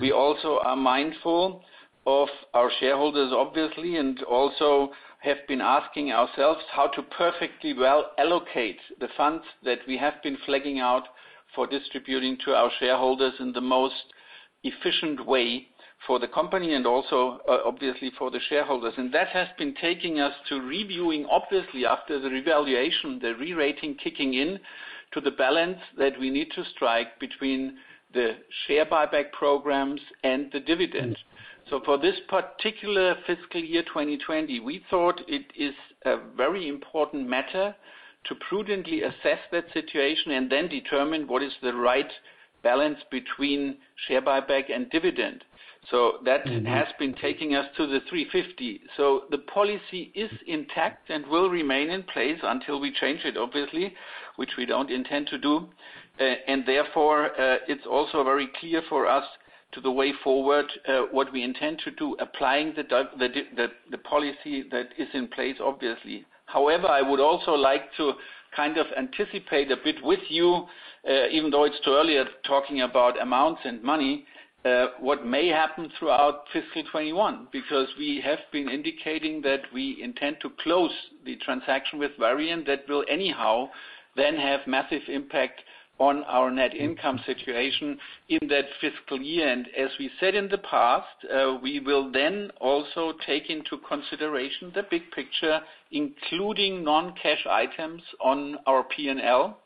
we also are mindful of our shareholders, obviously, and also have been asking ourselves how to perfectly well allocate the funds that we have been flagging out for distributing to our shareholders in the most efficient way for the company and also, obviously, for the shareholders. That has been taking us to reviewing, obviously, after the revaluation, the re-rating kicking in to the balance that we need to strike between the share buyback programs and the dividend. For this particular fiscal year 2020, we thought it is a very important matter to prudently assess that situation and then determine what is the right balance between share buyback and dividend. That has been taking us to the 3.50. The policy is intact and will remain in place until we change it, obviously, which we don't intend to do. Therefore, it's also very clear for us to the way forward what we intend to do, applying the policy that is in place, obviously. However, I would also like to kind of anticipate a bit with you, even though it's too early talking about amounts and money, what may happen throughout fiscal 2021. We have been indicating that we intend to close the transaction with Varian. That will anyhow then have massive impact on our net income situation in that fiscal year. As we said in the past, we will then also take into consideration the big picture, including non-cash items on our P&L,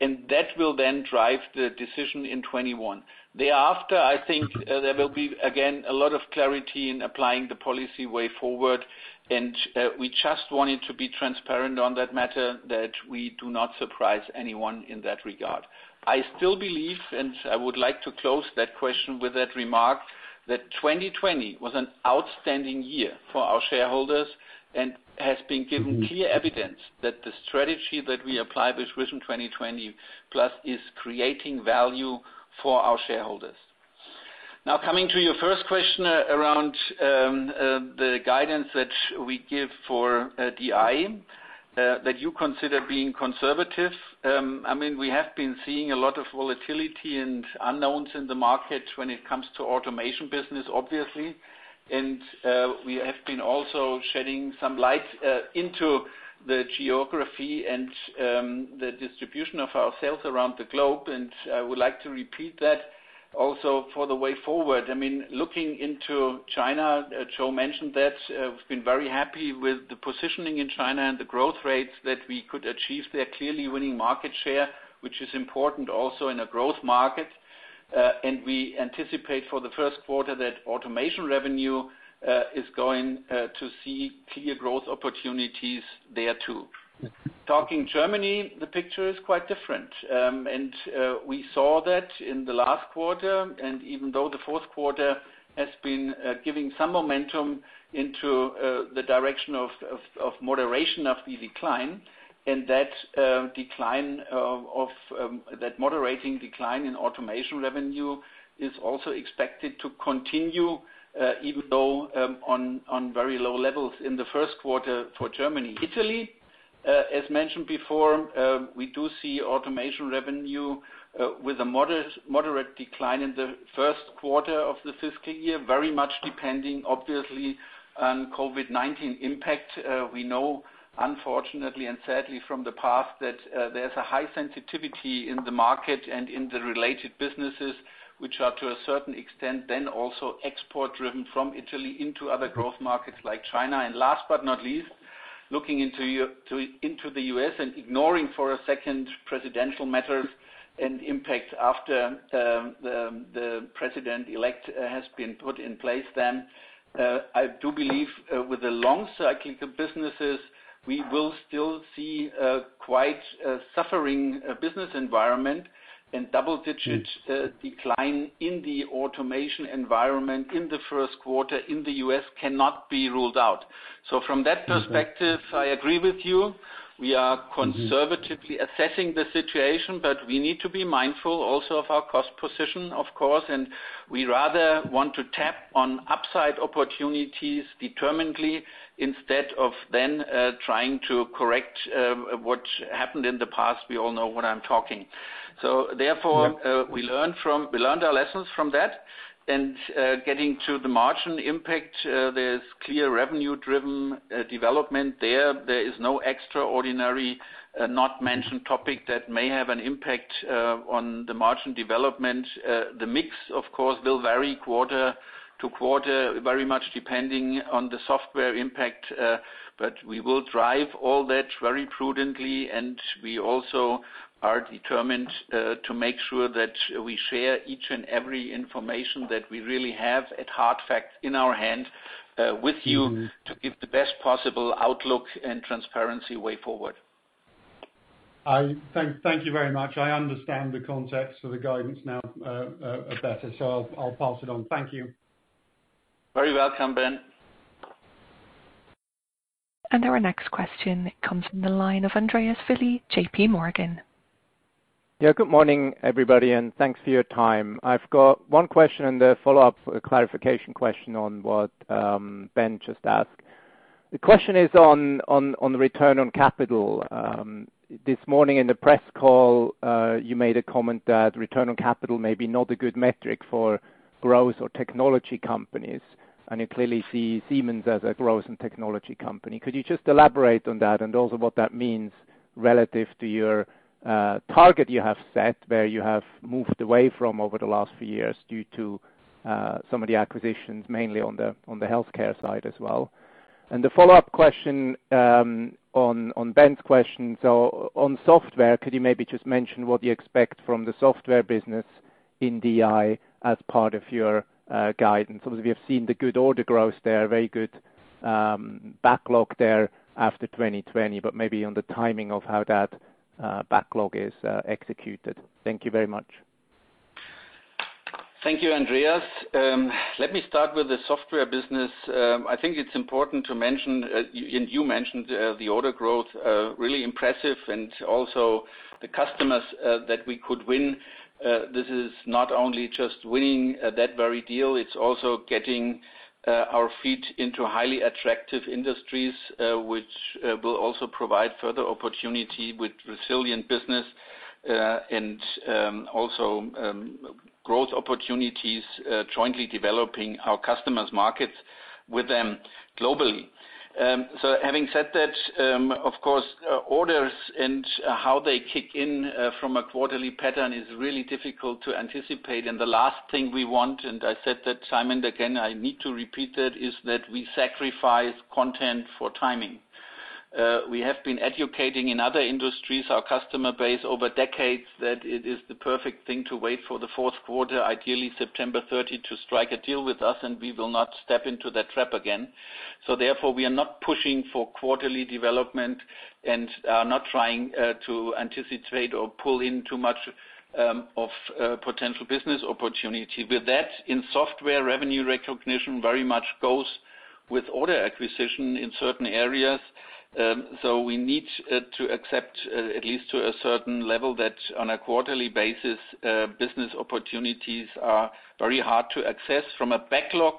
and that will then drive the decision in 2021. Thereafter, I think there will be again, a lot of clarity in applying the policy way forward. We just wanted to be transparent on that matter that we do not surprise anyone in that regard. I still believe, and I would like to close that question with that remark, that 2020 was an outstanding year for our shareholders and has been given clear evidence that the strategy that we apply with Vision 2020+ is creating value for our shareholders. Now coming to your first question around the guidance that we give for DI that you consider being conservative. We have been seeing a lot of volatility and unknowns in the market when it comes to automation business, obviously. We have been also shedding some light into the geography and the distribution of our sales around the globe. I would like to repeat that also for the way forward. Looking into China, Joe mentioned that we've been very happy with the positioning in China and the growth rates that we could achieve there, clearly winning market share, which is important also in a growth market. We anticipate for the first quarter that automation revenue is going to see clear growth opportunities there too. Talking Germany, the picture is quite different. We saw that in the last quarter. Even though the fourth quarter has been giving some momentum into the direction of moderation of the decline, and that moderating decline in automation revenue is also expected to continue, even though on very low levels in the first quarter for Germany. Italy, as mentioned before, we do see automation revenue with a moderate decline in the first quarter of the fiscal year, very much depending, obviously, on COVID-19 impact. We know unfortunately and sadly from the past that there's a high sensitivity in the market and in the related businesses, which are to a certain extent then also export driven from Italy into other growth markets like China. Last but not least, looking into the U.S. and ignoring for a second presidential matters and impact after the president-elect has been put in place, then I do believe with the long cyclical businesses, we will still see a quite suffering business environment and double-digit decline in the automation environment in the first quarter in the U.S. cannot be ruled out. From that perspective, I agree with you. We are conservatively assessing the situation, but we need to be mindful also of our cost position, of course, and we rather want to tap on upside opportunities determinedly instead of then trying to correct what happened in the past. We all know what I'm talking. Yeah We learned our lessons from that. Getting to the margin impact, there's clear revenue-driven development there. There is no extraordinary not mentioned topic that may have an impact on the margin development. The mix, of course, will vary quarter to quarter, very much depending on the software impact. We will drive all that very prudently, and we also are determined to make sure that we share each and every information that we really have at hard fact in our hand with you to give the best possible outlook and transparency way forward. Thank you very much. I understand the context of the guidance now better. I'll pass it on. Thank you. Very welcome, Ben. Our next question comes from the line of Andreas Willi, JPMorgan. Yeah. Good morning, everybody, and thanks for your time. I've got one question and a follow-up clarification question on what Ben just asked. The question is on the return on capital. This morning in the press call, you made a comment that return on capital may be not a good metric for growth or technology companies, and you clearly see Siemens as a growth and technology company. Could you just elaborate on that and also what that means relative to your target you have set, where you have moved away from over the last few years due to some of the acquisitions, mainly on the healthcare side as well? The follow-up question on Ben's question. On software, could you maybe just mention what you expect from the software business in DI as part of your guidance? We have seen the good order growth there, very good backlog there after 2020, but maybe on the timing of how that backlog is executed. Thank you very much. Thank you, Andreas. Let me start with the software business. I think it's important to mention, and you mentioned the order growth, really impressive, and also the customers that we could win. This is not only just winning that very deal, it's also getting our feet into highly attractive industries, which will also provide further opportunity with resilient business and also growth opportunities, jointly developing our customers' markets with them globally. Having said that, of course, orders and how they kick in from a quarterly pattern is really difficult to anticipate. The last thing we want, and I said that, Simon, again, I need to repeat that, is that we sacrifice content for timing. We have been educating in other industries, our customer base over decades, that it is the perfect thing to wait for the fourth quarter, ideally September 30, to strike a deal with us, and we will not step into that trap again. Therefore, we are not pushing for quarterly development and are not trying to anticipate or pull in too much of potential business opportunity. With that, in software revenue recognition very much goes with order acquisition in certain areas. We need to accept, at least to a certain level, that on a quarterly basis, business opportunities are very hard to access. From a backlog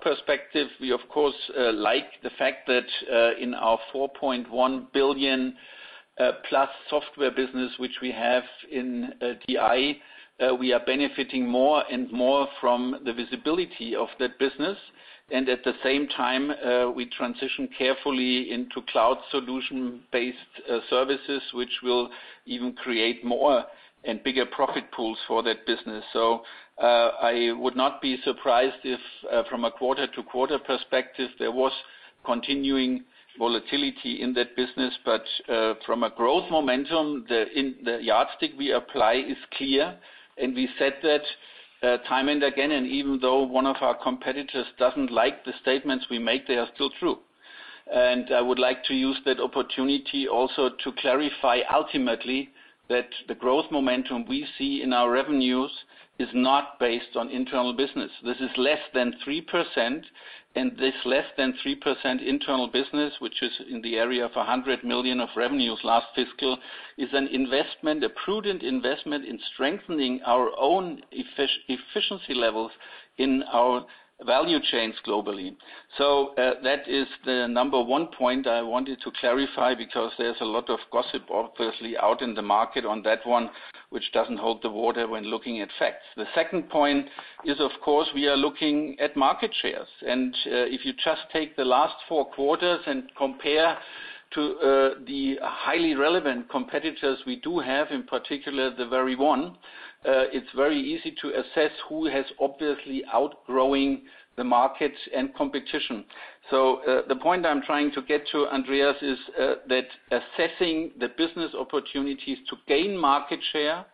perspective, we of course like the fact that in our 4.1 billion+ software business, which we have in DI, we are benefiting more and more from the visibility of that business. At the same time, we transition carefully into cloud solution-based services, which will even create more and bigger profit pools for that business. I would not be surprised if from a quarter-to-quarter perspective, there was continuing volatility in that business. From a growth momentum, the yardstick we apply is clear, and we said that time and again. Even though one of our competitors doesn't like the statements we make, they are still true. I would like to use that opportunity also to clarify ultimately that the growth momentum we see in our revenues is not based on internal business. This is less than 3%, and this less than 3% internal business, which is in the area of 100 million of revenues last fiscal, is an investment, a prudent investment in strengthening our own efficiency levels in our value chains globally. That is the number one point I wanted to clarify, because there's a lot of gossip, obviously, out in the market on that one, which doesn't hold the water when looking at facts. The second point is, of course, we are looking at market shares, and if you just take the last four quarters and compare to the highly relevant competitors we do have, in particular, the very one, it's very easy to assess who has obviously outgrowing the markets and competition. The point I'm trying to get to, Andreas, is that assessing the business opportunities to gain market share,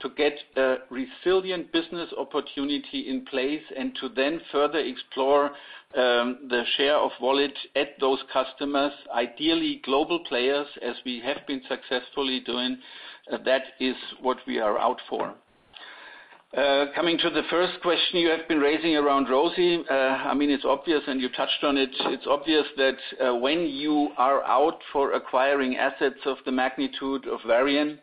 to get a resilient business opportunity in place, and to then further explore the share of wallet at those customers, ideally global players, as we have been successfully doing, that is what we are out for. Coming to the first question you have been raising around ROCE. It's obvious, you touched on it. It's obvious that when you are out for acquiring assets of the magnitude of Varian,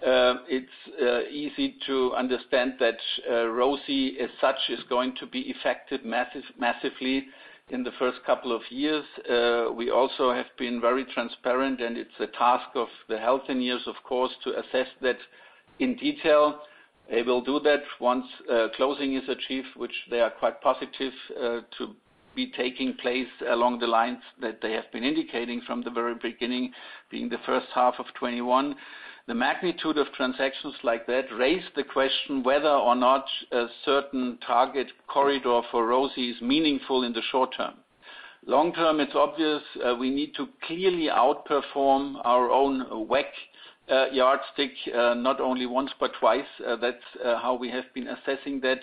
it's easy to understand that ROCE, as such, is going to be affected massively in the first couple of years. We also have been very transparent, it's a task of the Healthineers, of course, to assess that in detail. They will do that once closing is achieved, which they are quite positive to be taking place along the lines that they have been indicating from the very beginning, being the first half of 2021. The magnitude of transactions like that raise the question whether or not a certain target corridor for ROCE is meaningful in the short term. Long term, it's obvious we need to clearly outperform our own WACC yardstick not only once, but twice. That's how we have been assessing that.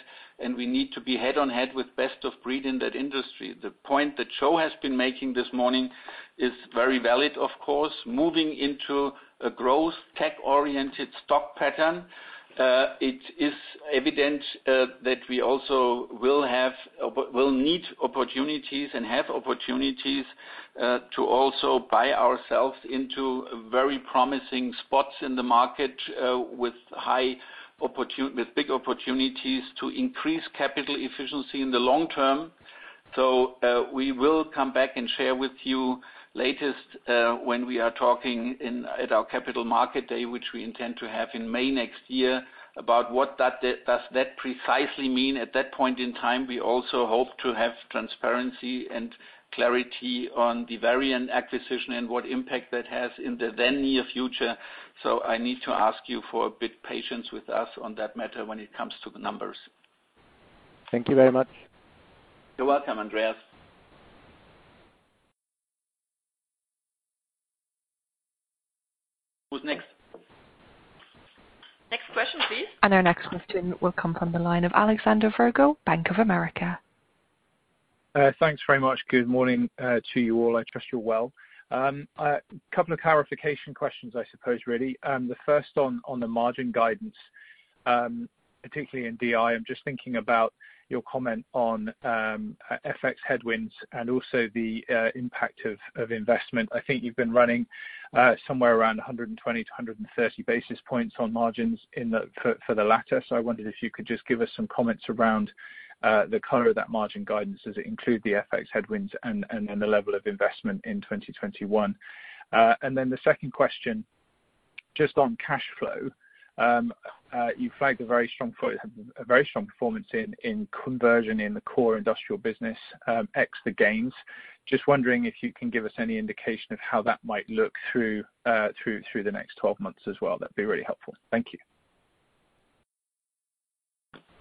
We need to be head on head with best of breed in that industry. The point that Joe has been making this morning is very valid, of course. Moving into a growth tech-oriented stock pattern, it is evident that we also will need opportunities and have opportunities to also buy ourselves into very promising spots in the market with big opportunities to increase capital efficiency in the long term. We will come back and share with you latest when we are talking at our Capital Market Day, which we intend to have in May next year, about what does that precisely mean. At that point in time, we also hope to have transparency and clarity on the Varian acquisition and what impact that has in the then near future. I need to ask you for a bit patience with us on that matter when it comes to the numbers. Thank you very much. You're welcome, Andreas. Who's next? Next question, please. Our next question will come from the line of Alexander Virgo, Bank of America. Thanks very much. Good morning to you all. I trust you're well. A couple of clarification questions, I suppose, really. The first on the margin guidance, particularly in DI. I'm just thinking about your comment on FX headwinds and also the impact of investment. I think you've been running somewhere around 120 basis points-130 basis points on margins for the latter. I wondered if you could just give us some comments around the color of that margin guidance. Does it include the FX headwinds and the level of investment in 2021? The second question, just on cash flow. You flagged a very strong performance in conversion in the core industrial business ex the gains. Just wondering if you can give us any indication of how that might look through the next 12 months as well. That'd be really helpful. Thank you.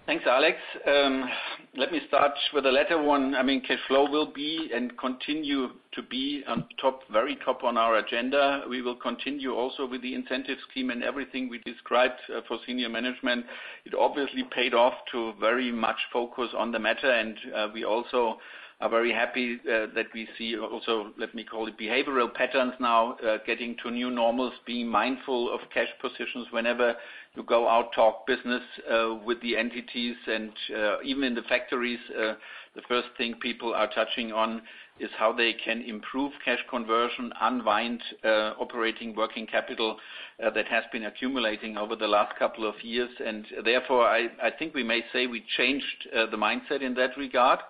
Thanks, Alex. Let me start with the latter one. Cash flow will be and continue to be on very top on our agenda. We will continue also with the incentive scheme and everything we described for senior management. It obviously paid off to very much focus on the matter. We also are very happy that we see also, let me call it behavioral patterns now getting to new normals, being mindful of cash positions whenever you go out, talk business with the entities and even in the factories the first thing people are touching on is how they can improve cash conversion, unwind operating working capital that has been accumulating over the last couple of years. Therefore, I think we may say we changed the mindset in that regard.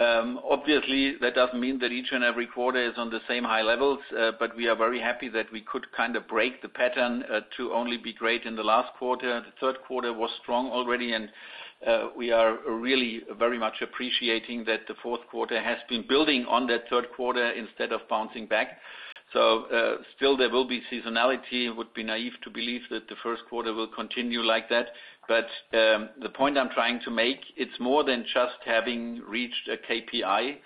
Obviously, that doesn't mean that each and every quarter is on the same high levels, but we are very happy that we could kind of break the pattern to only be great in the last quarter. The third quarter was strong already and we are really very much appreciating that the fourth quarter has been building on that third quarter instead of bouncing back. Still there will be seasonality. It would be naive to believe that the first quarter will continue like that. The point I'm trying to make, it's more than just having reached a KPI.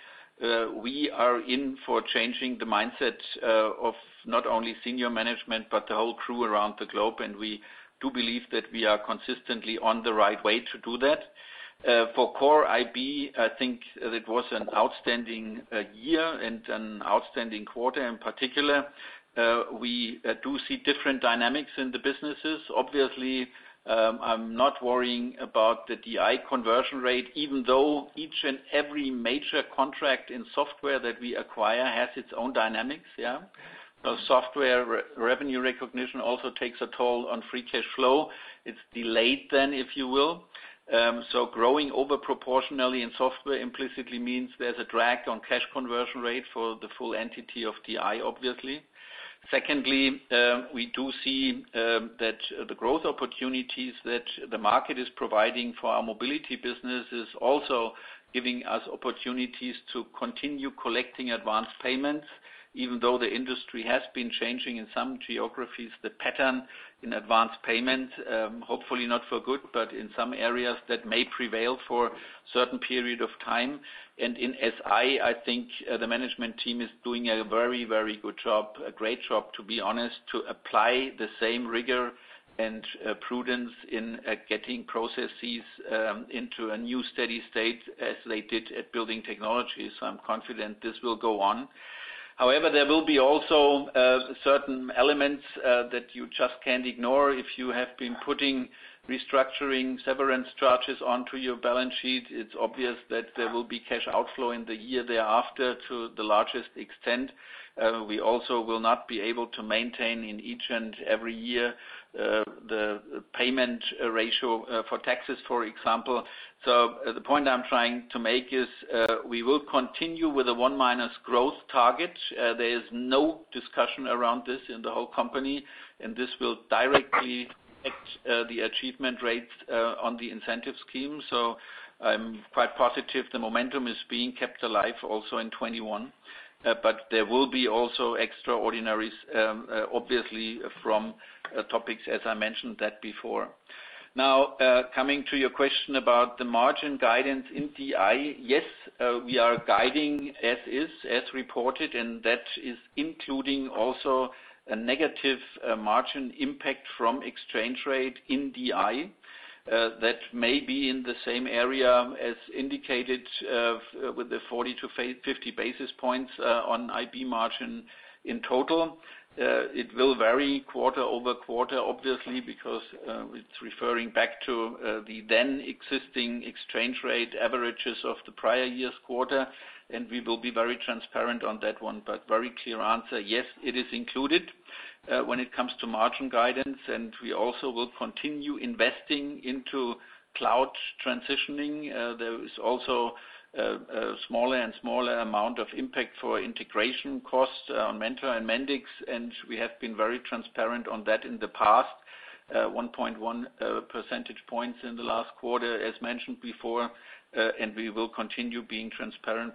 We are in for changing the mindset of not only senior management, but the whole crew around the globe and we do believe that we are consistently on the right way to do that. For Core IB, I think it was an outstanding year and an outstanding quarter in particular. We do see different dynamics in the businesses. Obviously, I'm not worrying about the DI conversion rate, even though each and every major contract in software that we acquire has its own dynamics. Software revenue recognition also takes a toll on free cash flow. It's delayed then, if you will. Growing over proportionally in software implicitly means there's a drag on cash conversion rate for the full entity of DI, obviously. Secondly, we do see that the growth opportunities that the market is providing for our Mobility business is also giving us opportunities to continue collecting advanced payments, even though the industry has been changing in some geographies, the pattern in advanced payment, hopefully not for good, but in some areas that may prevail for certain period of time. In SI, I think the management team is doing a very good job, a great job, to be honest, to apply the same rigor and prudence in getting processes into a new steady state as they did at building technology. I'm confident this will go on. However, there will be also certain elements that you just can't ignore. If you have been putting restructuring severance charges onto your balance sheet, it's obvious that there will be cash outflow in the year thereafter to the largest extent. We also will not be able to maintain in each and every year the payment ratio for taxes, for example. The point I'm trying to make is we will continue with the one minus growth target. There is no discussion around this in the whole company, this will directly affect the achievement rates on the incentive scheme. I'm quite positive the momentum is being kept alive also in 2021. There will be also extraordinaries, obviously, from topics, as I mentioned that before. Coming to your question about the margin guidance in DI. Yes, we are guiding as is, as reported, and that is including also a negative margin impact from exchange rate in DI that may be in the same area as indicated with the 40 basis points-50 basis points on IB margin in total. It will vary quarter-over-quarter, obviously, because it's referring back to the then existing exchange rate averages of the prior year's quarter, and we will be very transparent on that one. Very clear answer, yes, it is included when it comes to margin guidance, and we also will continue investing into cloud transitioning. There is also a smaller and smaller amount of impact for integration costs on Mentor and Mendix. We have been very transparent on that in the past. 1.1 percentage points in the last quarter, as mentioned before. We will continue being transparent.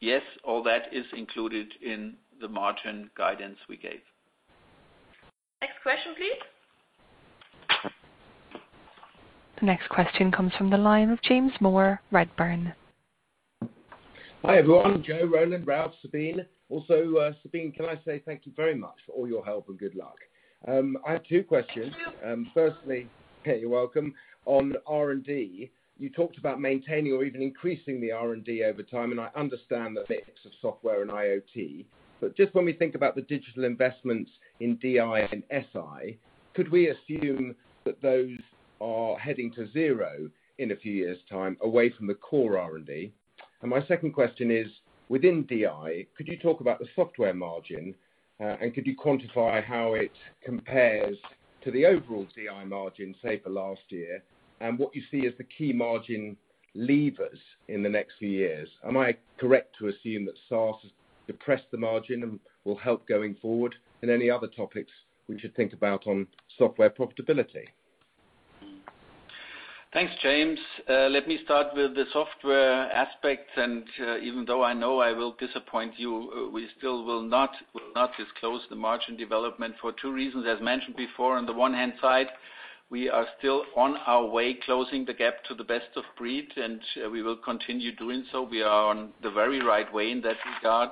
Yes, all that is included in the margin guidance we gave. Next question, please. The next question comes from the line of James Moore, Redburn. Hi, everyone. Joe, Roland, Ralf, Sabine. Also, Sabine, can I say thank you very much for all your help and good luck. I have two questions. Thank you. Firstly, you're welcome. On R&D, you talked about maintaining or even increasing the R&D over time, and I understand the mix of software and IoT. Just when we think about the digital investments in DI and SI, could we assume that those are heading to zero in a few years' time away from the core R&D? My second question is, within DI, could you talk about the software margin, and could you quantify how it compares to the overall DI margin, say, for last year, and what you see as the key margin levers in the next few years? Am I correct to assume that SaaS has depressed the margin and will help going forward? Any other topics we should think about on software profitability? Thanks, James. Let me start with the software aspect. Even though I know I will disappoint you, we still will not disclose the margin development for two reasons. As mentioned before, on the one hand side, we are still on our way closing the gap to the best of breed, and we will continue doing so. We are on the very right way in that regard.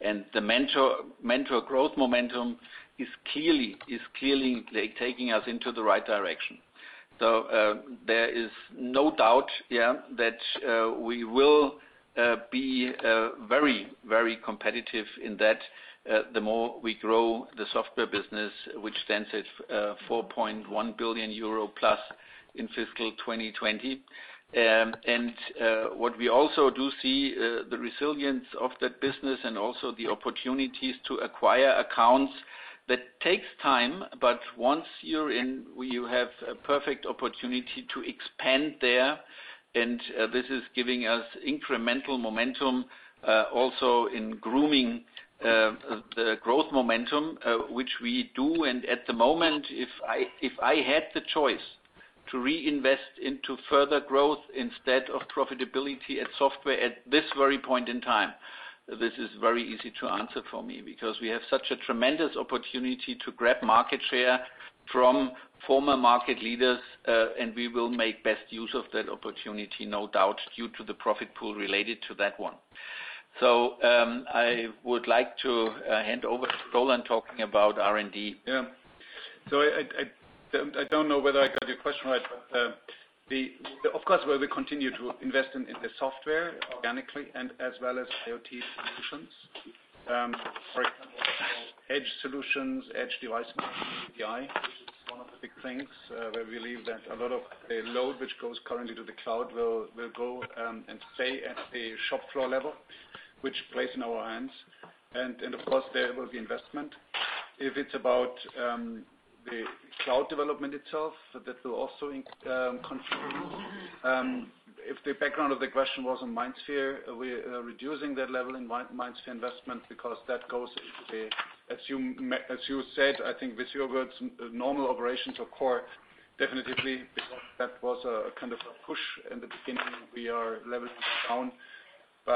The Mentor growth momentum is clearly taking us into the right direction. There is no doubt that we will be very competitive in that the more we grow the software business, which stands at 4.1 billion euro+ in fiscal 2020. What we also do see, the resilience of that business and also the opportunities to acquire accounts. That takes time, but once you're in, you have a perfect opportunity to expand there. This is giving us incremental momentum, also in grooming the growth momentum, which we do. At the moment, if I had the choice to reinvest into further growth instead of profitability at software at this very point in time, this is very easy to answer for me. We have such a tremendous opportunity to grab market share from former market leaders, and we will make best use of that opportunity, no doubt, due to the profit pool related to that one. I would like to hand over to Roland talking about R&D. I don't know whether I got your question right. Of course, we will continue to invest in the software organically and as well as IoT solutions. For example, edge solutions, edge device API, which is one of the big things where we believe that a lot of the load which goes currently to the cloud will go and stay at a shop floor level, which plays in our hands. Of course, there will be investment. If it's about the cloud development itself, that will also contribute. If the background of the question was on MindSphere, we're reducing that level in MindSphere investment because that goes into the, as you said, I think with your words, normal operations or core, definitely, because that was a kind of a push in the beginning. We are leveling that down. As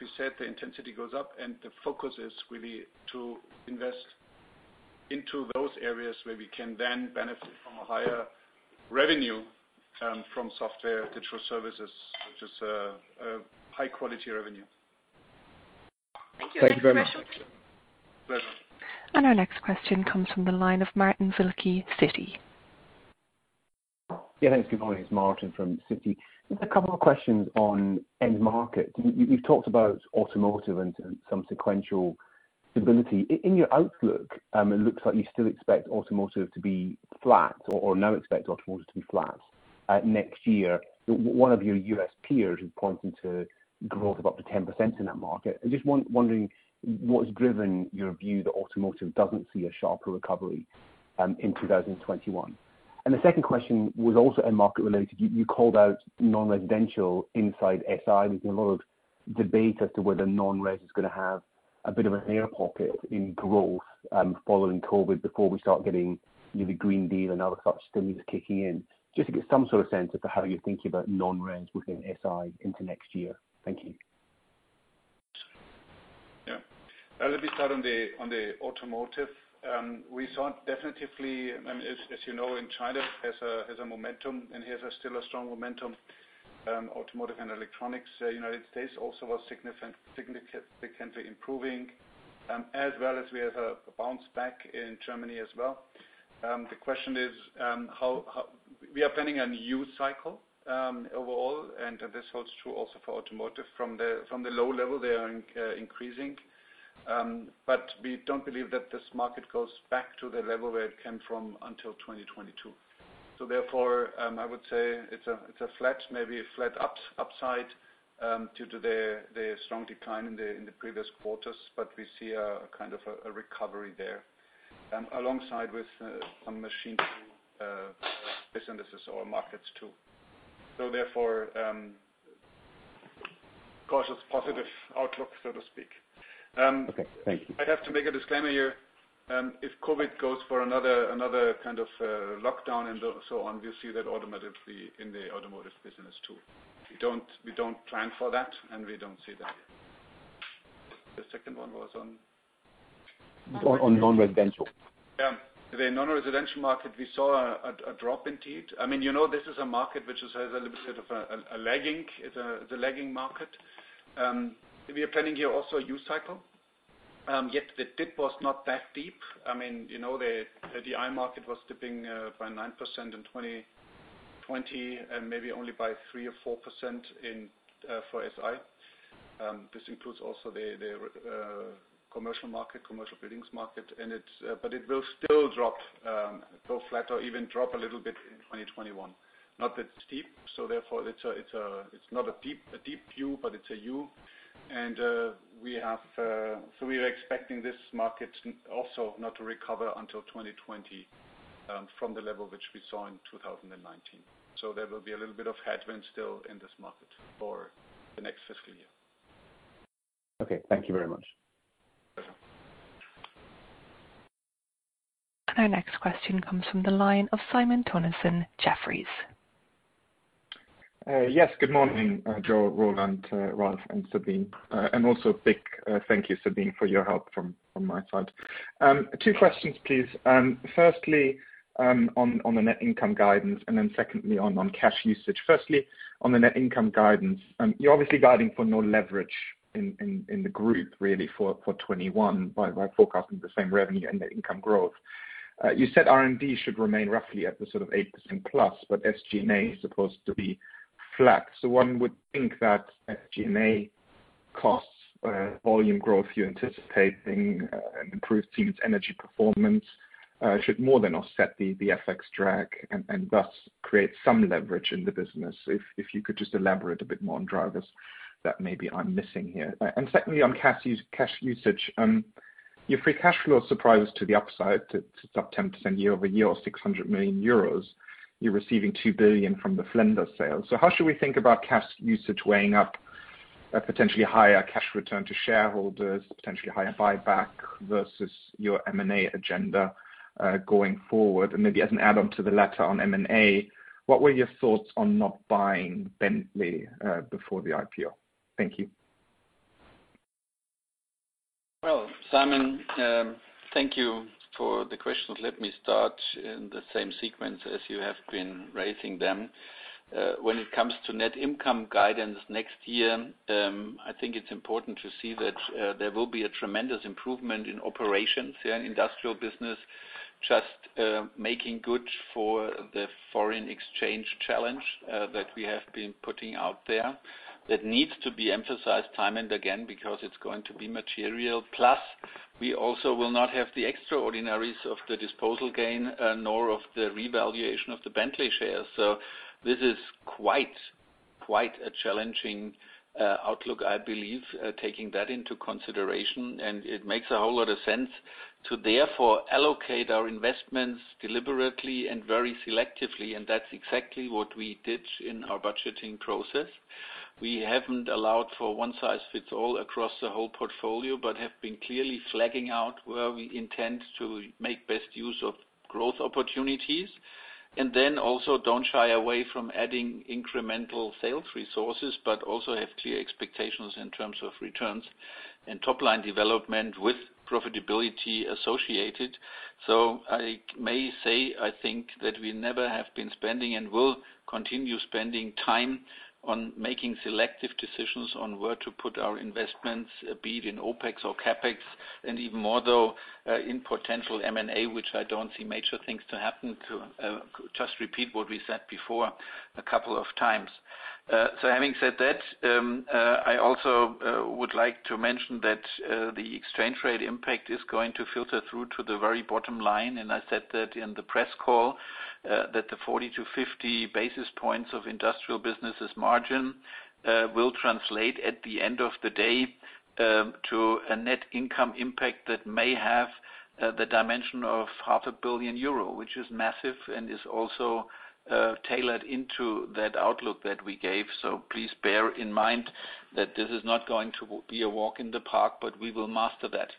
we said, the intensity goes up, and the focus is really to invest into those areas where we can then benefit from a higher revenue from software digital services, which is a high-quality revenue. Thank you. Next question. Thank you very much. Pleasure. Our next question comes from the line of Martin Wilkie, Citi. Yeah, thanks. Good morning. It's Martin from Citi. Just a couple of questions on end market. You've talked about automotive and some sequential stability. In your outlook, it looks like you still expect automotive to be flat or now expect automotive to be flat next year. One of your U.S. peers is pointing to growth of up to 10% in that market. I'm just wondering what has driven your view that automotive doesn't see a sharper recovery in 2021. The second question was also end market related. You called out non-residential inside SI. There's been a lot of debate as to whether non-res is going to have a bit of an air pocket in growth following COVID before we start getting the Green Deal and other such things kicking in. Just to get some sort of sense as to how you're thinking about non-res within SI into next year. Thank you. Yeah. Let me start on the automotive. We saw it definitively, as you know, in China has a momentum and has still a strong momentum. Automotive and electronics, U.S. also was significantly improving. We have a bounce back in Germany as well. The question is. We are planning a new cycle overall, this holds true also for automotive. From the low level, they are increasing. We don't believe that this market goes back to the level where it came from until 2022. Therefore, I would say it's a flat, maybe a flat upside due to the strong decline in the previous quarters. We see a kind of a recovery there alongside with some machine tool businesses or markets, too. Therefore, cautious, positive outlook, so to speak. Okay, thank you. I have to make a disclaimer here. If COVID goes for another kind of lockdown and so on, we'll see that automatically in the automotive business, too. We don't plan for that, and we don't see that yet. The second one was on? On non-residential. The non-residential market, we saw a drop indeed. This is a market which is a little bit of a lagging. It's a lagging market. We are planning here also a U cycle. The dip was not that deep. The DI market was dipping by 9% in 2020 and maybe only by 3% or 4% for SI. This includes also the commercial market, commercial buildings market. It will still drop, go flat or even drop a little bit in 2021. Not that steep, therefore it's not a deep U, but it's a U. We are expecting this market also not to recover until 2020 from the level which we saw in 2019. There will be a little bit of headwind still in this market for the next fiscal year. Okay. Thank you very much. Welcome. Our next question comes from the line of Simon Toennessen, Jefferies. Yes. Good morning, Joe, Roland, Ralf, and Sabine. Also a big thank you, Sabine, for your help from my side. Two questions, please. Firstly, on the net income guidance, secondly, on cash usage. Firstly, on the net income guidance. You are obviously guiding for no leverage in the group, really for 2021 by forecasting the same revenue and net income growth. You said R&D should remain roughly at the sort of 8%+, but SG&A is supposed to be flat. One would think that SG&A costs volume growth you are anticipating and improved Siemens Energy performance should more than offset the FX drag and thus create some leverage in the business. If you could just elaborate a bit more on drivers that maybe I am missing here. Secondly, on cash usage. Your free cash flow surprise to the upside to up 10% year-over-year or 600 million euros. You're receiving 2 billion from the Flender sale. How should we think about cash usage weighing up a potentially higher cash return to shareholders, potentially higher buyback versus your M&A agenda going forward? Maybe as an add-on to the latter on M&A, what were your thoughts on not buying Bentley before the IPO? Thank you. Well, Simon, thank you for the questions. Let me start in the same sequence as you have been raising them. When it comes to net income guidance next year, I think it's important to see that there will be a tremendous improvement in operations here in industrial business, just making good for the foreign exchange challenge that we have been putting out there. That needs to be emphasized time and again because it's going to be material. Plus, we also will not have the extraordinaries of the disposal gain nor of the revaluation of the Bentley shares. So this is quite a challenging outlook, I believe, taking that into consideration. And it makes a whole lot of sense to therefore allocate our investments deliberately and very selectively, and that's exactly what we did in our budgeting process. We haven't allowed for one size fits all across the whole portfolio, have been clearly flagging out where we intend to make best use of growth opportunities. Also don't shy away from adding incremental sales resources, also have clear expectations in terms of returns and top-line development with profitability associated. I may say, I think that we never have been spending and will continue spending time on making selective decisions on where to put our investments, be it in OpEx or CapEx, and even more so in potential M&A, which I don't see major things to happen to just repeat what we said before a couple of times. Having said that, I also would like to mention that the exchange rate impact is going to filter through to the very bottom line. I said that in the press call that the 40 basis points-50 basis points of industrial businesses margin will translate at the end of the day to a net income impact that may have the dimension of 500 million euro, which is massive and is also tailored into that outlook that we gave. Please bear in mind that this is not going to be a walk in the park, but we will master that.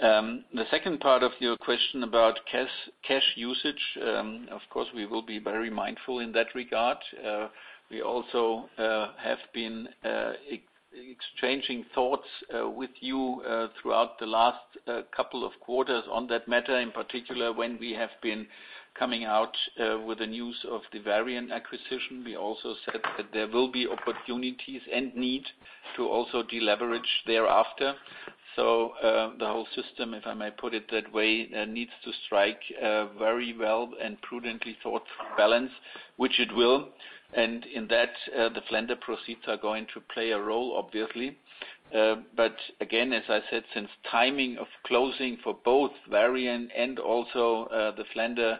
The second part of your question about cash usage, of course, we will be very mindful in that regard. We also have been exchanging thoughts with you throughout the last couple of quarters on that matter. In particular, when we have been coming out with the news of the Varian acquisition, we also said that there will be opportunities and need to also deleverage thereafter. The whole system, if I may put it that way, needs to strike a very well and prudently thought balance, which it will. In that, the Flender proceeds are going to play a role, obviously. Again, as I said, since timing of closing for both Varian and also the Flender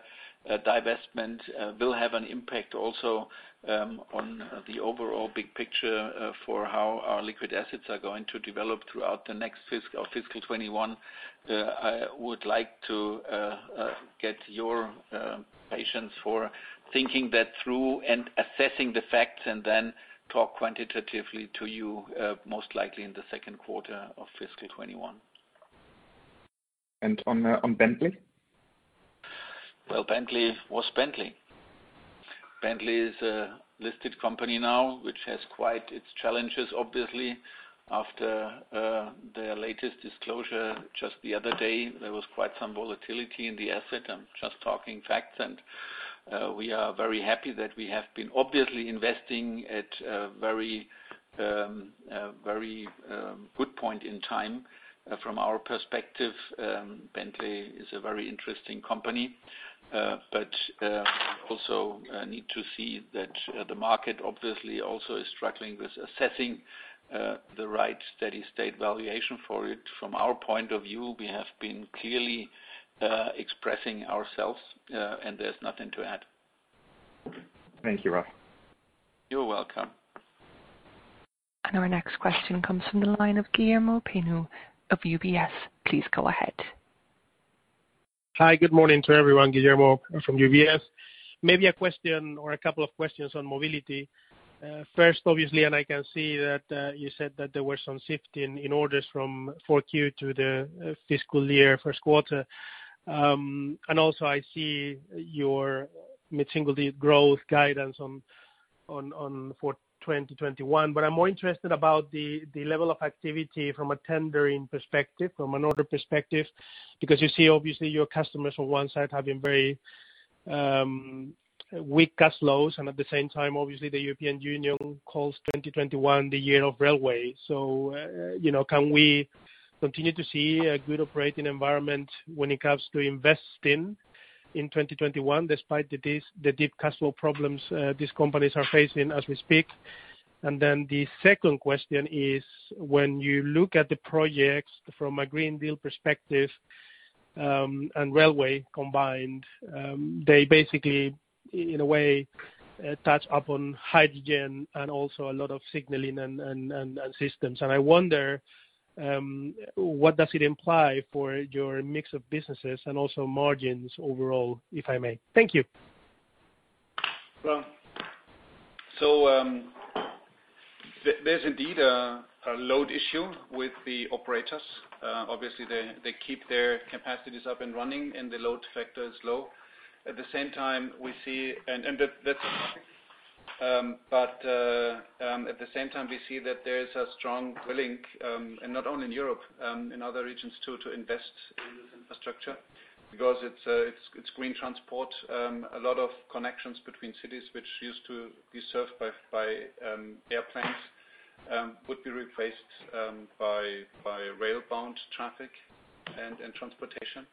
divestment will have an impact also on the overall big picture for how our liquid assets are going to develop throughout the next fiscal year 2021. I would like to get your patience for thinking that through and assessing the facts, and then talk quantitatively to you, most likely in the second quarter of fiscal 2021. On Bentley? Well, Bentley was Bentley. Bentley is a listed company now, which has quite its challenges, obviously, after their latest disclosure just the other day. There was quite some volatility in the asset. I'm just talking facts, and we are very happy that we have been obviously investing at a very good point in time. From our perspective, Bentley is a very interesting company. We also need to see that the market obviously also is struggling with assessing the right steady state valuation for it. From our point of view, we have been clearly expressing ourselves, and there's nothing to add. Thank you, Ralf. You're welcome. Our next question comes from the line of Guillermo Peigneux of UBS. Please go ahead. Hi. Good morning to everyone. Guillermo from UBS. Maybe a question or a couple of questions on Mobility. First, obviously, I can see that you said that there were some shift in orders from Q4 to the fiscal year first quarter. Also I see your mid-single digit growth guidance on for 2021. I'm more interested about the level of activity from a tendering perspective, from an order perspective, because you see, obviously, your customers on one side have been very weak cash flows and at the same time, obviously, the European Union calls 2021 the year of railway. Can we continue to see a good operating environment when it comes to investing in 2021, despite the deep cash flow problems these companies are facing as we speak? The second question is, when you look at the projects from a Green Deal perspective, and railway combined, they basically, in a way, touch upon hydrogen and also a lot of signaling and systems. I wonder, what does it imply for your mix of businesses and also margins overall, if I may? Thank you. There's indeed a load issue with the operators. Obviously, they keep their capacities up and running, and the load factor is low. At the same time, we see that there is a strong willing, and not only in Europe, in other regions too, to invest in infrastructure because it's green transport. A lot of connections between cities which used to be served by airplanes would be replaced by rail-bound traffic and transportation.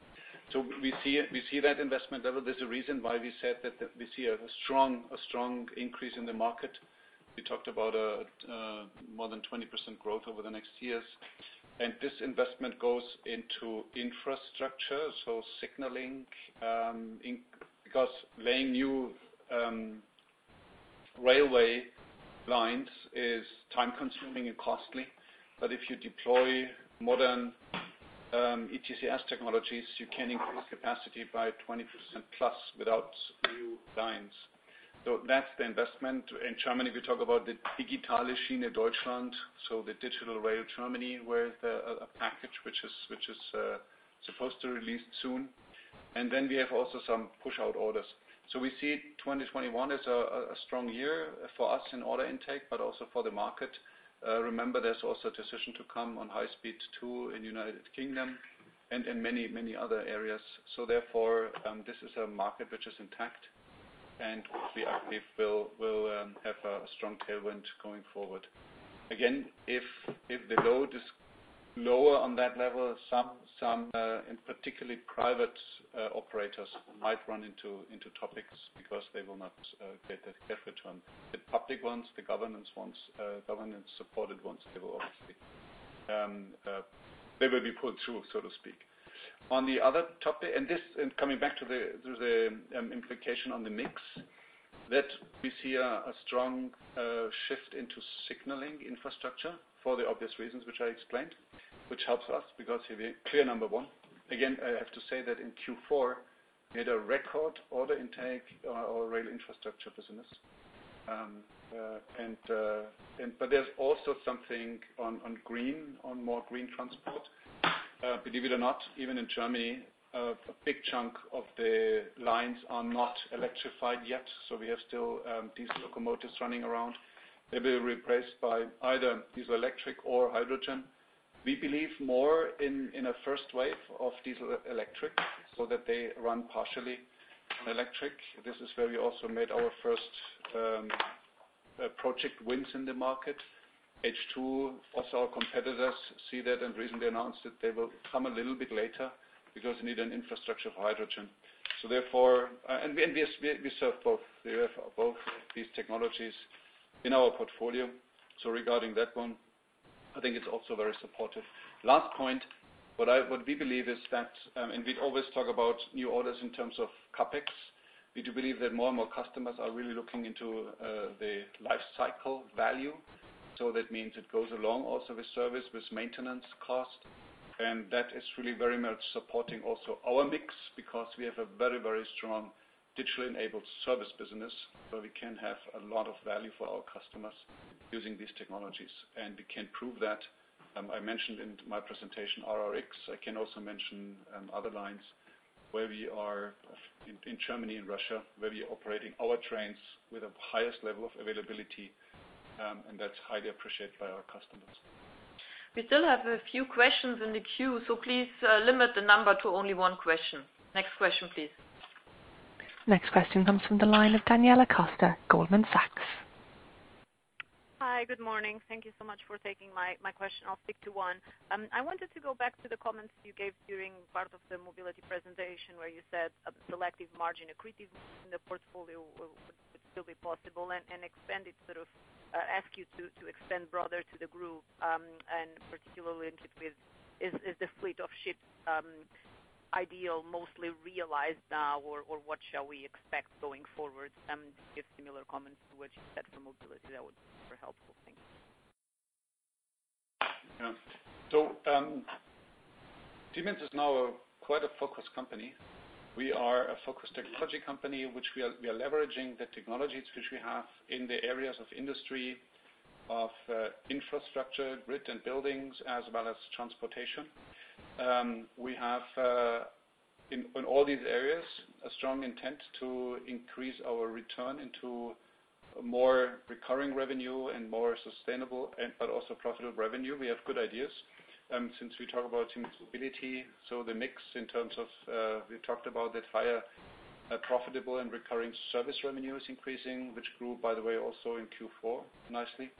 We see that investment level. There's a reason why we said that we see a strong increase in the market. We talked about more than 20% growth over the next years. This investment goes into infrastructure. Signaling, because laying new railway lines is time-consuming and costly. But if you deploy modern ETCS technologies, you can increase capacity by 20%+ without new lines. That's the investment. In Germany, we talk about the Digitale Schiene Deutschland, so the digital rail Germany, where there are a package which is supposed to release soon. We have also some push-out orders. We see 2021 as a strong year for us in order intake, but also for the market. Remember, there's also a decision to come on High Speed Two in United Kingdom and in many other areas. This is a market which is intact, and we believe will have a strong tailwind going forward. Again, if the load is lower on that level, some, and particularly private operators, might run into topics because they will not get that effort on the public ones, the governance ones, governance-supported ones. They will obviously be pulled through, so to speak. On the other topic, coming back to the implication on the mix, that we see a strong shift into signaling infrastructure for the obvious reasons which I explained, which helps us because we're clear number one. Again, I have to say that in Q4, we had a record order intake on our rail infrastructure business. There's also something on more green transport. Believe it or not, even in Germany, a big chunk of the lines are not electrified yet. We have still diesel locomotives running around. They'll be replaced by either diesel electric or hydrogen. We believe more in a first wave of diesel electric so that they run partially on electric. This is where we also made our first project wins in the market. H2, also our competitors see that and recently announced that they will come a little bit later because you need an infrastructure for hydrogen. We serve both. We have both these technologies in our portfolio. Regarding that one, I think it's also very supportive. Last point. What we believe is that, and we always talk about new orders in terms of CapEx, we do believe that more and more customers are really looking into the life cycle value. That means it goes along also with service, with maintenance cost. That is really very much supporting also our mix because we have a very strong digitally enabled service business where we can have a lot of value for our customers using these technologies, and we can prove that. I mentioned in my presentation RRX. I can also mention other lines in Germany and Russia, where we are operating our trains with the highest level of availability, and that's highly appreciated by our customers. We still have a few questions in the queue, so please limit the number to only one question. Next question, please. Next question comes from the line of Daniela Costa, Goldman Sachs. Hi. Good morning. Thank you so much for taking my question. I'll stick to one. I wanted to go back to the comments you gave during part of the Mobility presentation where you said a selective margin accretive in the portfolio would still be possible, ask you to extend broader to the group, and particularly is the Flender ideal mostly realized now or what shall we expect going forward? If similar comments to what you said for Mobility, that would be super helpful. Thanks. Yeah. Siemens is now quite a focused company. We are a focused technology company, which we are leveraging the technologies which we have in the areas of industry, of infrastructure, grid and buildings, as well as transportation. We have, in all these areas, a strong intent to increase our return into more recurring revenue and more sustainable but also profitable revenue. We have good ideas. Since we talk about Siemens Mobility, the mix in terms of, we talked about that higher profitable and recurring service revenue is increasing, which grew, by the way, also in Q4 nicely.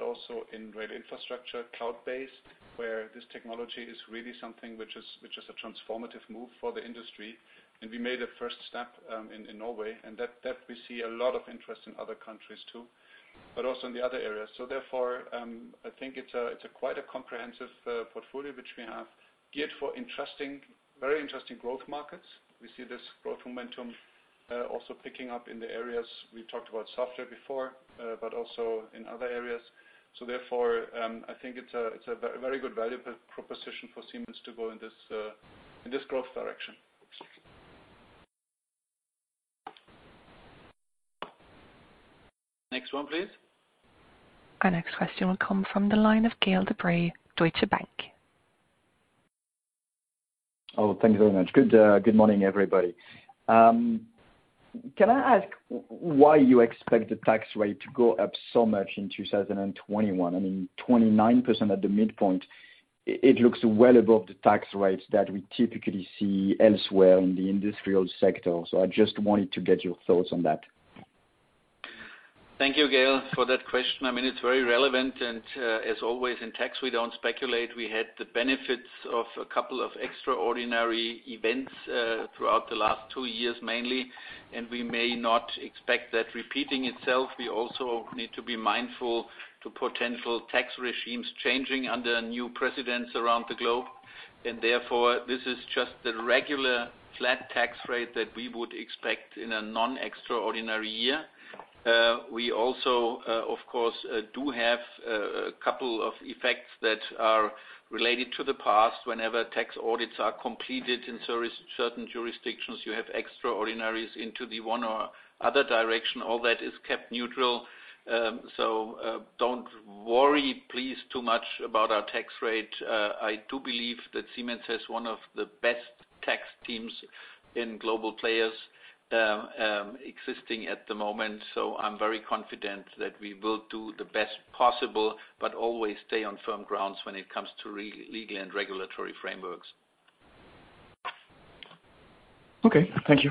Also in rail infrastructure, cloud-based, where this technology is really something which is a transformative move for the industry. We made a first step in Norway, and that we see a lot of interest in other countries too, but also in the other areas. Therefore, I think it's a quite a comprehensive portfolio which we have geared for very interesting growth markets. We see this growth momentum also picking up in the areas we talked about software before, but also in other areas. Therefore, I think it's a very good valuable proposition for Siemens to go in this growth direction. Next one, please. Our next question will come from the line of Gaël de-Bray, Deutsche Bank. Oh, thanks very much. Good morning, everybody. Can I ask why you expect the tax rate to go up so much in 2021? I mean, 29% at the midpoint. It looks well above the tax rates that we typically see elsewhere in the industrial sector. I just wanted to get your thoughts on that. Thank you, Gaël, for that question. It's very relevant, and as always in tax, we don't speculate. We had the benefits of a couple of extraordinary events throughout the last two years mainly, and we may not expect that repeating itself. We also need to be mindful to potential tax regimes changing under new presidents around the globe. Therefore, this is just the regular flat tax rate that we would expect in a non-extraordinary year. We also, of course, do have a couple of effects that are related to the past. Whenever tax audits are completed in certain jurisdictions, you have extraordinaries into the one or other direction. All that is kept neutral. Don't worry please too much about our tax rate. I do believe that Siemens has one of the best tax teams in global players existing at the moment. I'm very confident that we will do the best possible, but always stay on firm grounds when it comes to legal and regulatory frameworks. Okay. Thank you.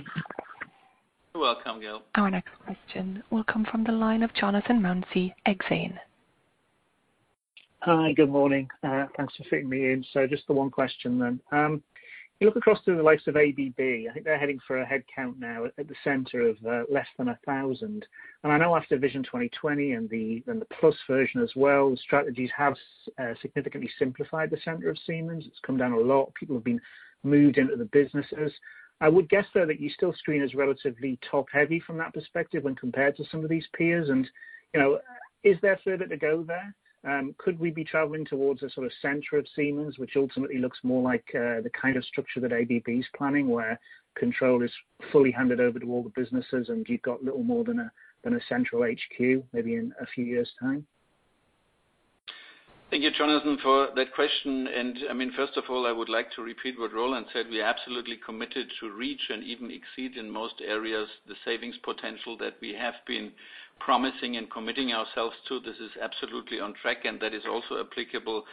You're welcome, Gaël. Our next question will come from the line of Jonathan Mounsey, Exane. Hi. Good morning. Thanks for fitting me in. Just the one question then. You look across to the likes of ABB, I think they're heading for a headcount now at the center of less than 1,000. I know after Vision 2020 and the plus version as well, strategies have significantly simplified the center of Siemens. It's come down a lot. People have been moved into the businesses. I would guess, though, that you still screen as relatively top-heavy from that perspective when compared to some of these peers. Is there further to go there? Could we be traveling towards a sort of center of Siemens, which ultimately looks more like the kind of structure that ABB is planning, where control is fully handed over to all the businesses and you've got little more than a central HQ, maybe in a few years' time? Thank you, Jonathan, for that question. First of all, I would like to repeat what Roland said. We are absolutely committed to reach and even exceed in most areas the savings potential that we have been promising and committing ourselves to. This is absolutely on track, and that is also applicable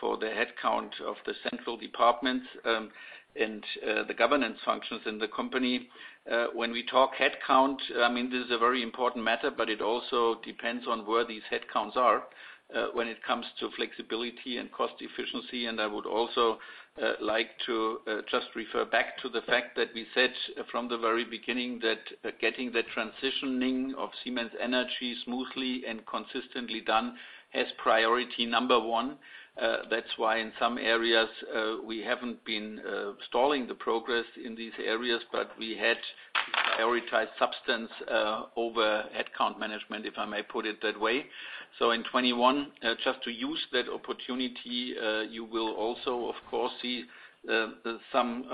for the headcount of the central departments and the governance functions in the company. When we talk headcount, this is a very important matter, but it also depends on where these headcounts are when it comes to flexibility and cost efficiency. I would also like to just refer back to the fact that we said from the very beginning that getting the transitioning of Siemens Energy smoothly and consistently done as priority number one. That's why in some areas, we haven't been stalling the progress in these areas, but we had prioritized substance over headcount management, if I may put it that way. In 2021, just to use that opportunity, you will also, of course, see some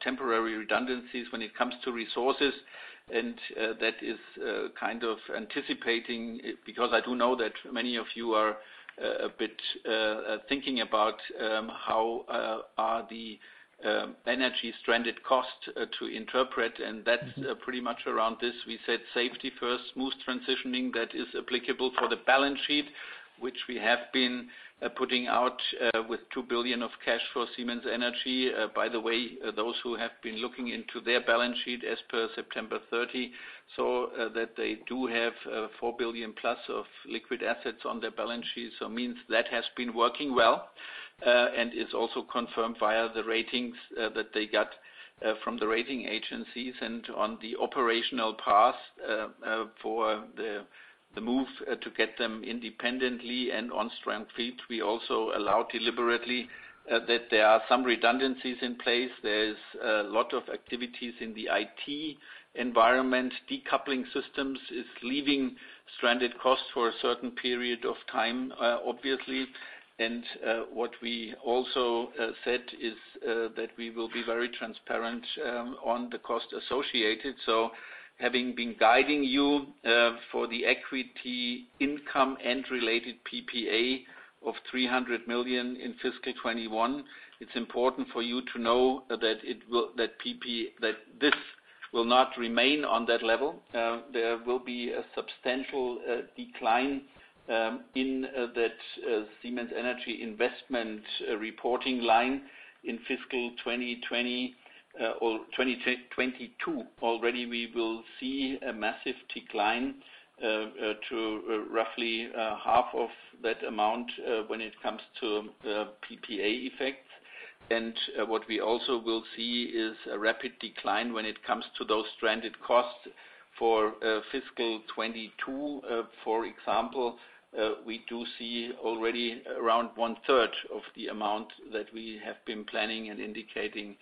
temporary redundancies when it comes to resources. That is kind of anticipating, because I do know that many of you are a bit thinking about how are the energy stranded costs to interpret, and that's pretty much around this. We said safety first, smooth transitioning. That is applicable for the balance sheet, which we have been putting out with 2 billion of cash for Siemens Energy. By the way, those who have been looking into their balance sheet as per September 30, saw that they do have 4 billion+ of liquid assets on their balance sheet. Means that has been working well, and it's also confirmed via the ratings that they got from the rating agencies and on the operational path for the move to get them independently and on strong feet. We also allow deliberately that there are some redundancies in place. There is a lot of activities in the IT environment. Decoupling systems is leaving stranded costs for a certain period of time, obviously. What we also said is that we will be very transparent on the cost associated. Having been guiding you for the equity income and related PPA of 300 million in fiscal 2021, it is important for you to know that this will not remain on that level. There will be a substantial decline in that Siemens Energy investment reporting line in fiscal 2020 or 2022. We will see a massive decline to roughly half of that amount when it comes to PPA effects. What we also will see is a rapid decline when it comes to those stranded costs for fiscal 2022, for example. We do see already around one-third of the amount that we have been planning and indicating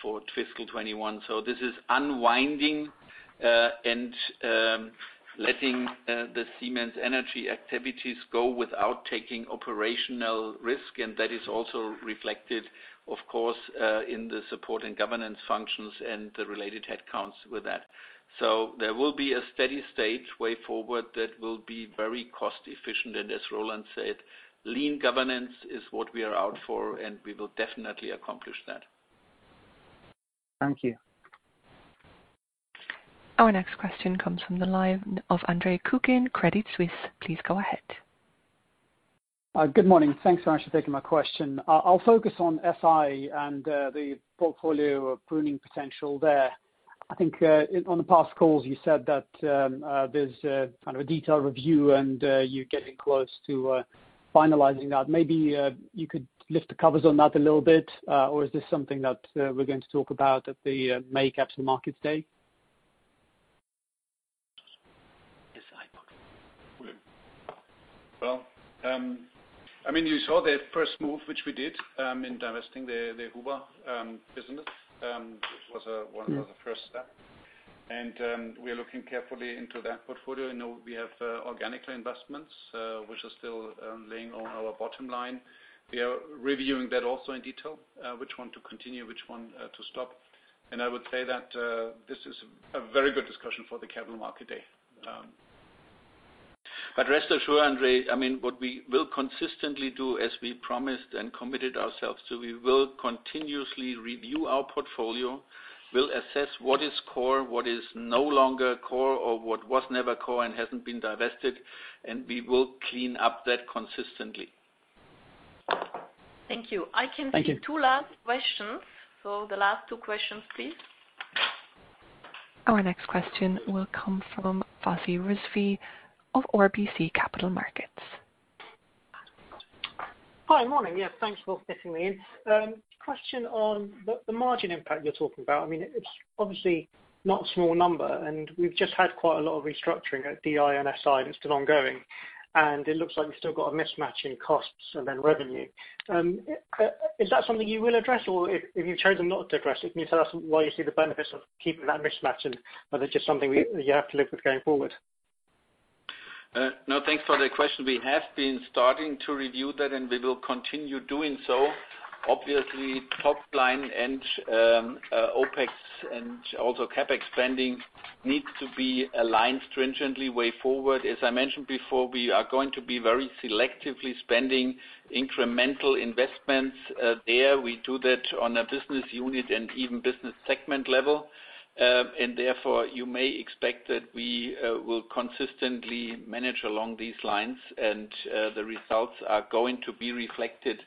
for fiscal 2021. This is unwinding and letting the Siemens Energy activities go without taking operational risk, and that is also reflected, of course, in the support and governance functions and the related headcounts with that. There will be a steady state way forward that will be very cost efficient. As Roland said, lean governance is what we are out for, and we will definitely accomplish that. Thank you. Our next question comes from the line of Andre Kukhnin, Credit Suisse. Please go ahead. Good morning. Thanks so much for taking my question. I'll focus on SI and the portfolio pruning potential there. I think on the past calls, you said that there's a kind of a detailed review and you're getting close to finalizing that. Maybe you could lift the covers on that a little bit, or is this something that we're going to talk about at the May Capital Market Day? Well, you saw the first move, which we did, in divesting the Huba business, which was one of the first steps. We are looking carefully into that portfolio. We have organic investments, which are still laying on our bottom line. We are reviewing that also in detail, which one to continue, which one to stop. I would say that this is a very good discussion for the Capital Market Day. Rest assured, Andre, what we will consistently do, as we promised and committed ourselves to, we will continuously review our portfolio. We'll assess what is core, what is no longer core, or what was never core and hasn't been divested, and we will clean up that consistently. Thank you. Thank you. I can see two last questions. The last two questions, please. Our next question will come from Wasi Rizvi of RBC Capital Markets. Hi. Morning. Yeah, thanks for fitting me in. Question on the margin impact you're talking about. It's obviously not a small number. We've just had quite a lot of restructuring at DI and SI, and it's still ongoing. It looks like you've still got a mismatch in costs and then revenue. Is that something you will address? If you've chosen not to address it, can you tell us why you see the benefits of keeping that mismatch and whether it's just something that you have to live with going forward? No, thanks for the question. We have been starting to review that, and we will continue doing so. Obviously, top line and OpEx, and also CapEx spending needs to be aligned stringently way forward. As I mentioned before, we are going to be very selectively spending incremental investments there. We do that on a business unit and even business segment level. Therefore, you may expect that we will consistently manage along these lines, and the results are going to be reflected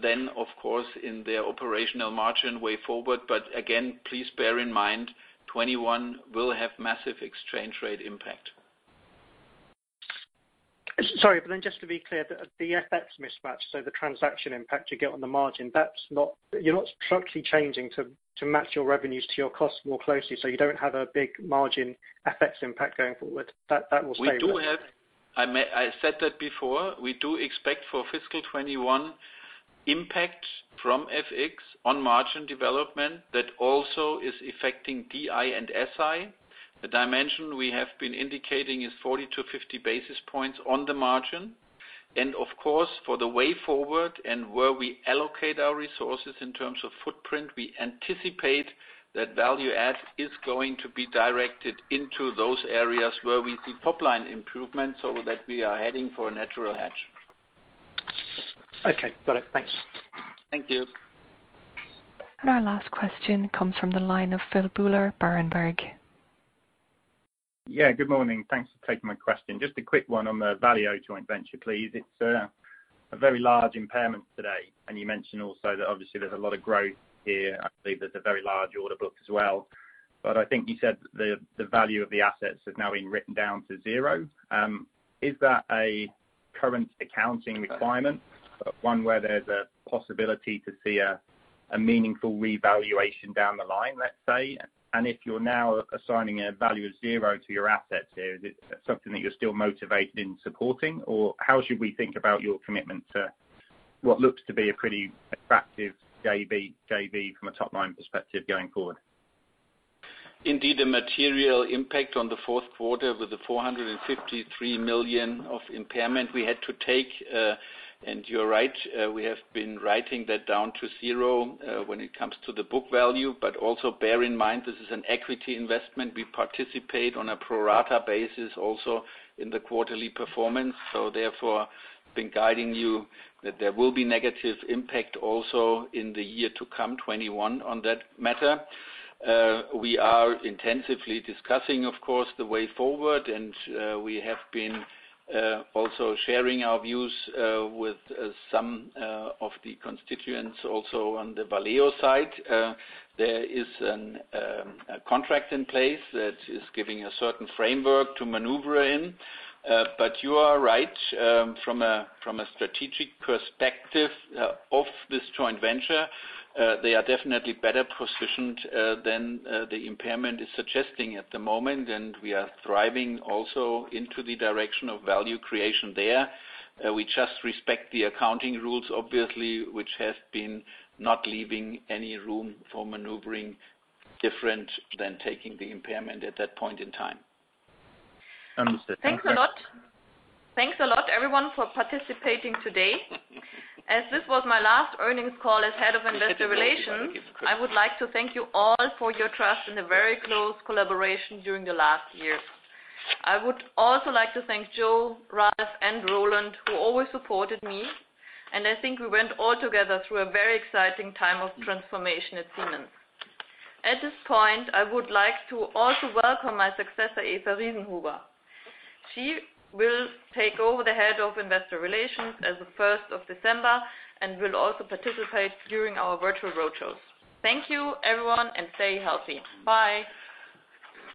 then, of course, in their operational margin way forward. Again, please bear in mind, 2021 will have massive exchange rate impact. Sorry, just to be clear, the FX mismatch, so the transaction impact you get on the margin, you're not structurally changing to match your revenues to your costs more closely, so you don't have a big margin FX impact going forward. That will stay the same. I said that before. We do expect for fiscal 2021 impact from FX on margin development that also is affecting DI and SI. The dimension we have been indicating is 40 basis points-50 basis points on the margin. Of course, for the way forward and where we allocate our resources in terms of footprint, we anticipate that value add is going to be directed into those areas where we see top-line improvements so that we are heading for a natural hedge. Okay, got it. Thanks. Thank you. Our last question comes from the line of Phil Buller, Berenberg. Good morning. Thanks for taking my question. Just a quick one on the Valeo joint venture, please. It's a very large impairment today. You mentioned also that obviously there's a lot of growth here. I believe there's a very large order book as well. I think you said the value of the assets has now been written down to zero. Is that a current accounting requirement, one where there's a possibility to see a meaningful revaluation down the line, let's say? If you're now assigning a value of zero to your assets here, is it something that you're still motivated in supporting? How should we think about your commitment to what looks to be a pretty attractive JV from a top-line perspective going forward? Indeed, a material impact on the fourth quarter with the 453 million of impairment we had to take. You're right, we have been writing that down to zero when it comes to the book value. Also bear in mind, this is an equity investment. We participate on a pro rata basis also in the quarterly performance. Therefore, been guiding you that there will be negative impact also in the year to come, 2021, on that matter. We are intensively discussing, of course, the way forward, and we have been also sharing our views with some of the constituents also on the Valeo side. There is a contract in place that is giving a certain framework to maneuver in. You are right from a strategic perspective of this joint venture, they are definitely better positioned than the impairment is suggesting at the moment, and we are striving also into the direction of value creation there. We just respect the accounting rules, obviously, which have been not leaving any room for maneuvering different than taking the impairment at that point in time. Understood. Thanks a lot, everyone, for participating today. As this was my last earnings call as Head of Investor Relations, I would like to thank you all for your trust and the very close collaboration during the last years. I would also like to thank Joe, Ralf, and Roland, who always supported me, and I think we went all together through a very exciting time of transformation at Siemens. At this point, I would like to also welcome my successor, Eva Riesenhuber. She will take over the Head of Investor Relations as of the 1st of December and will also participate during our virtual road shows. Thank you, everyone, and stay healthy. Bye.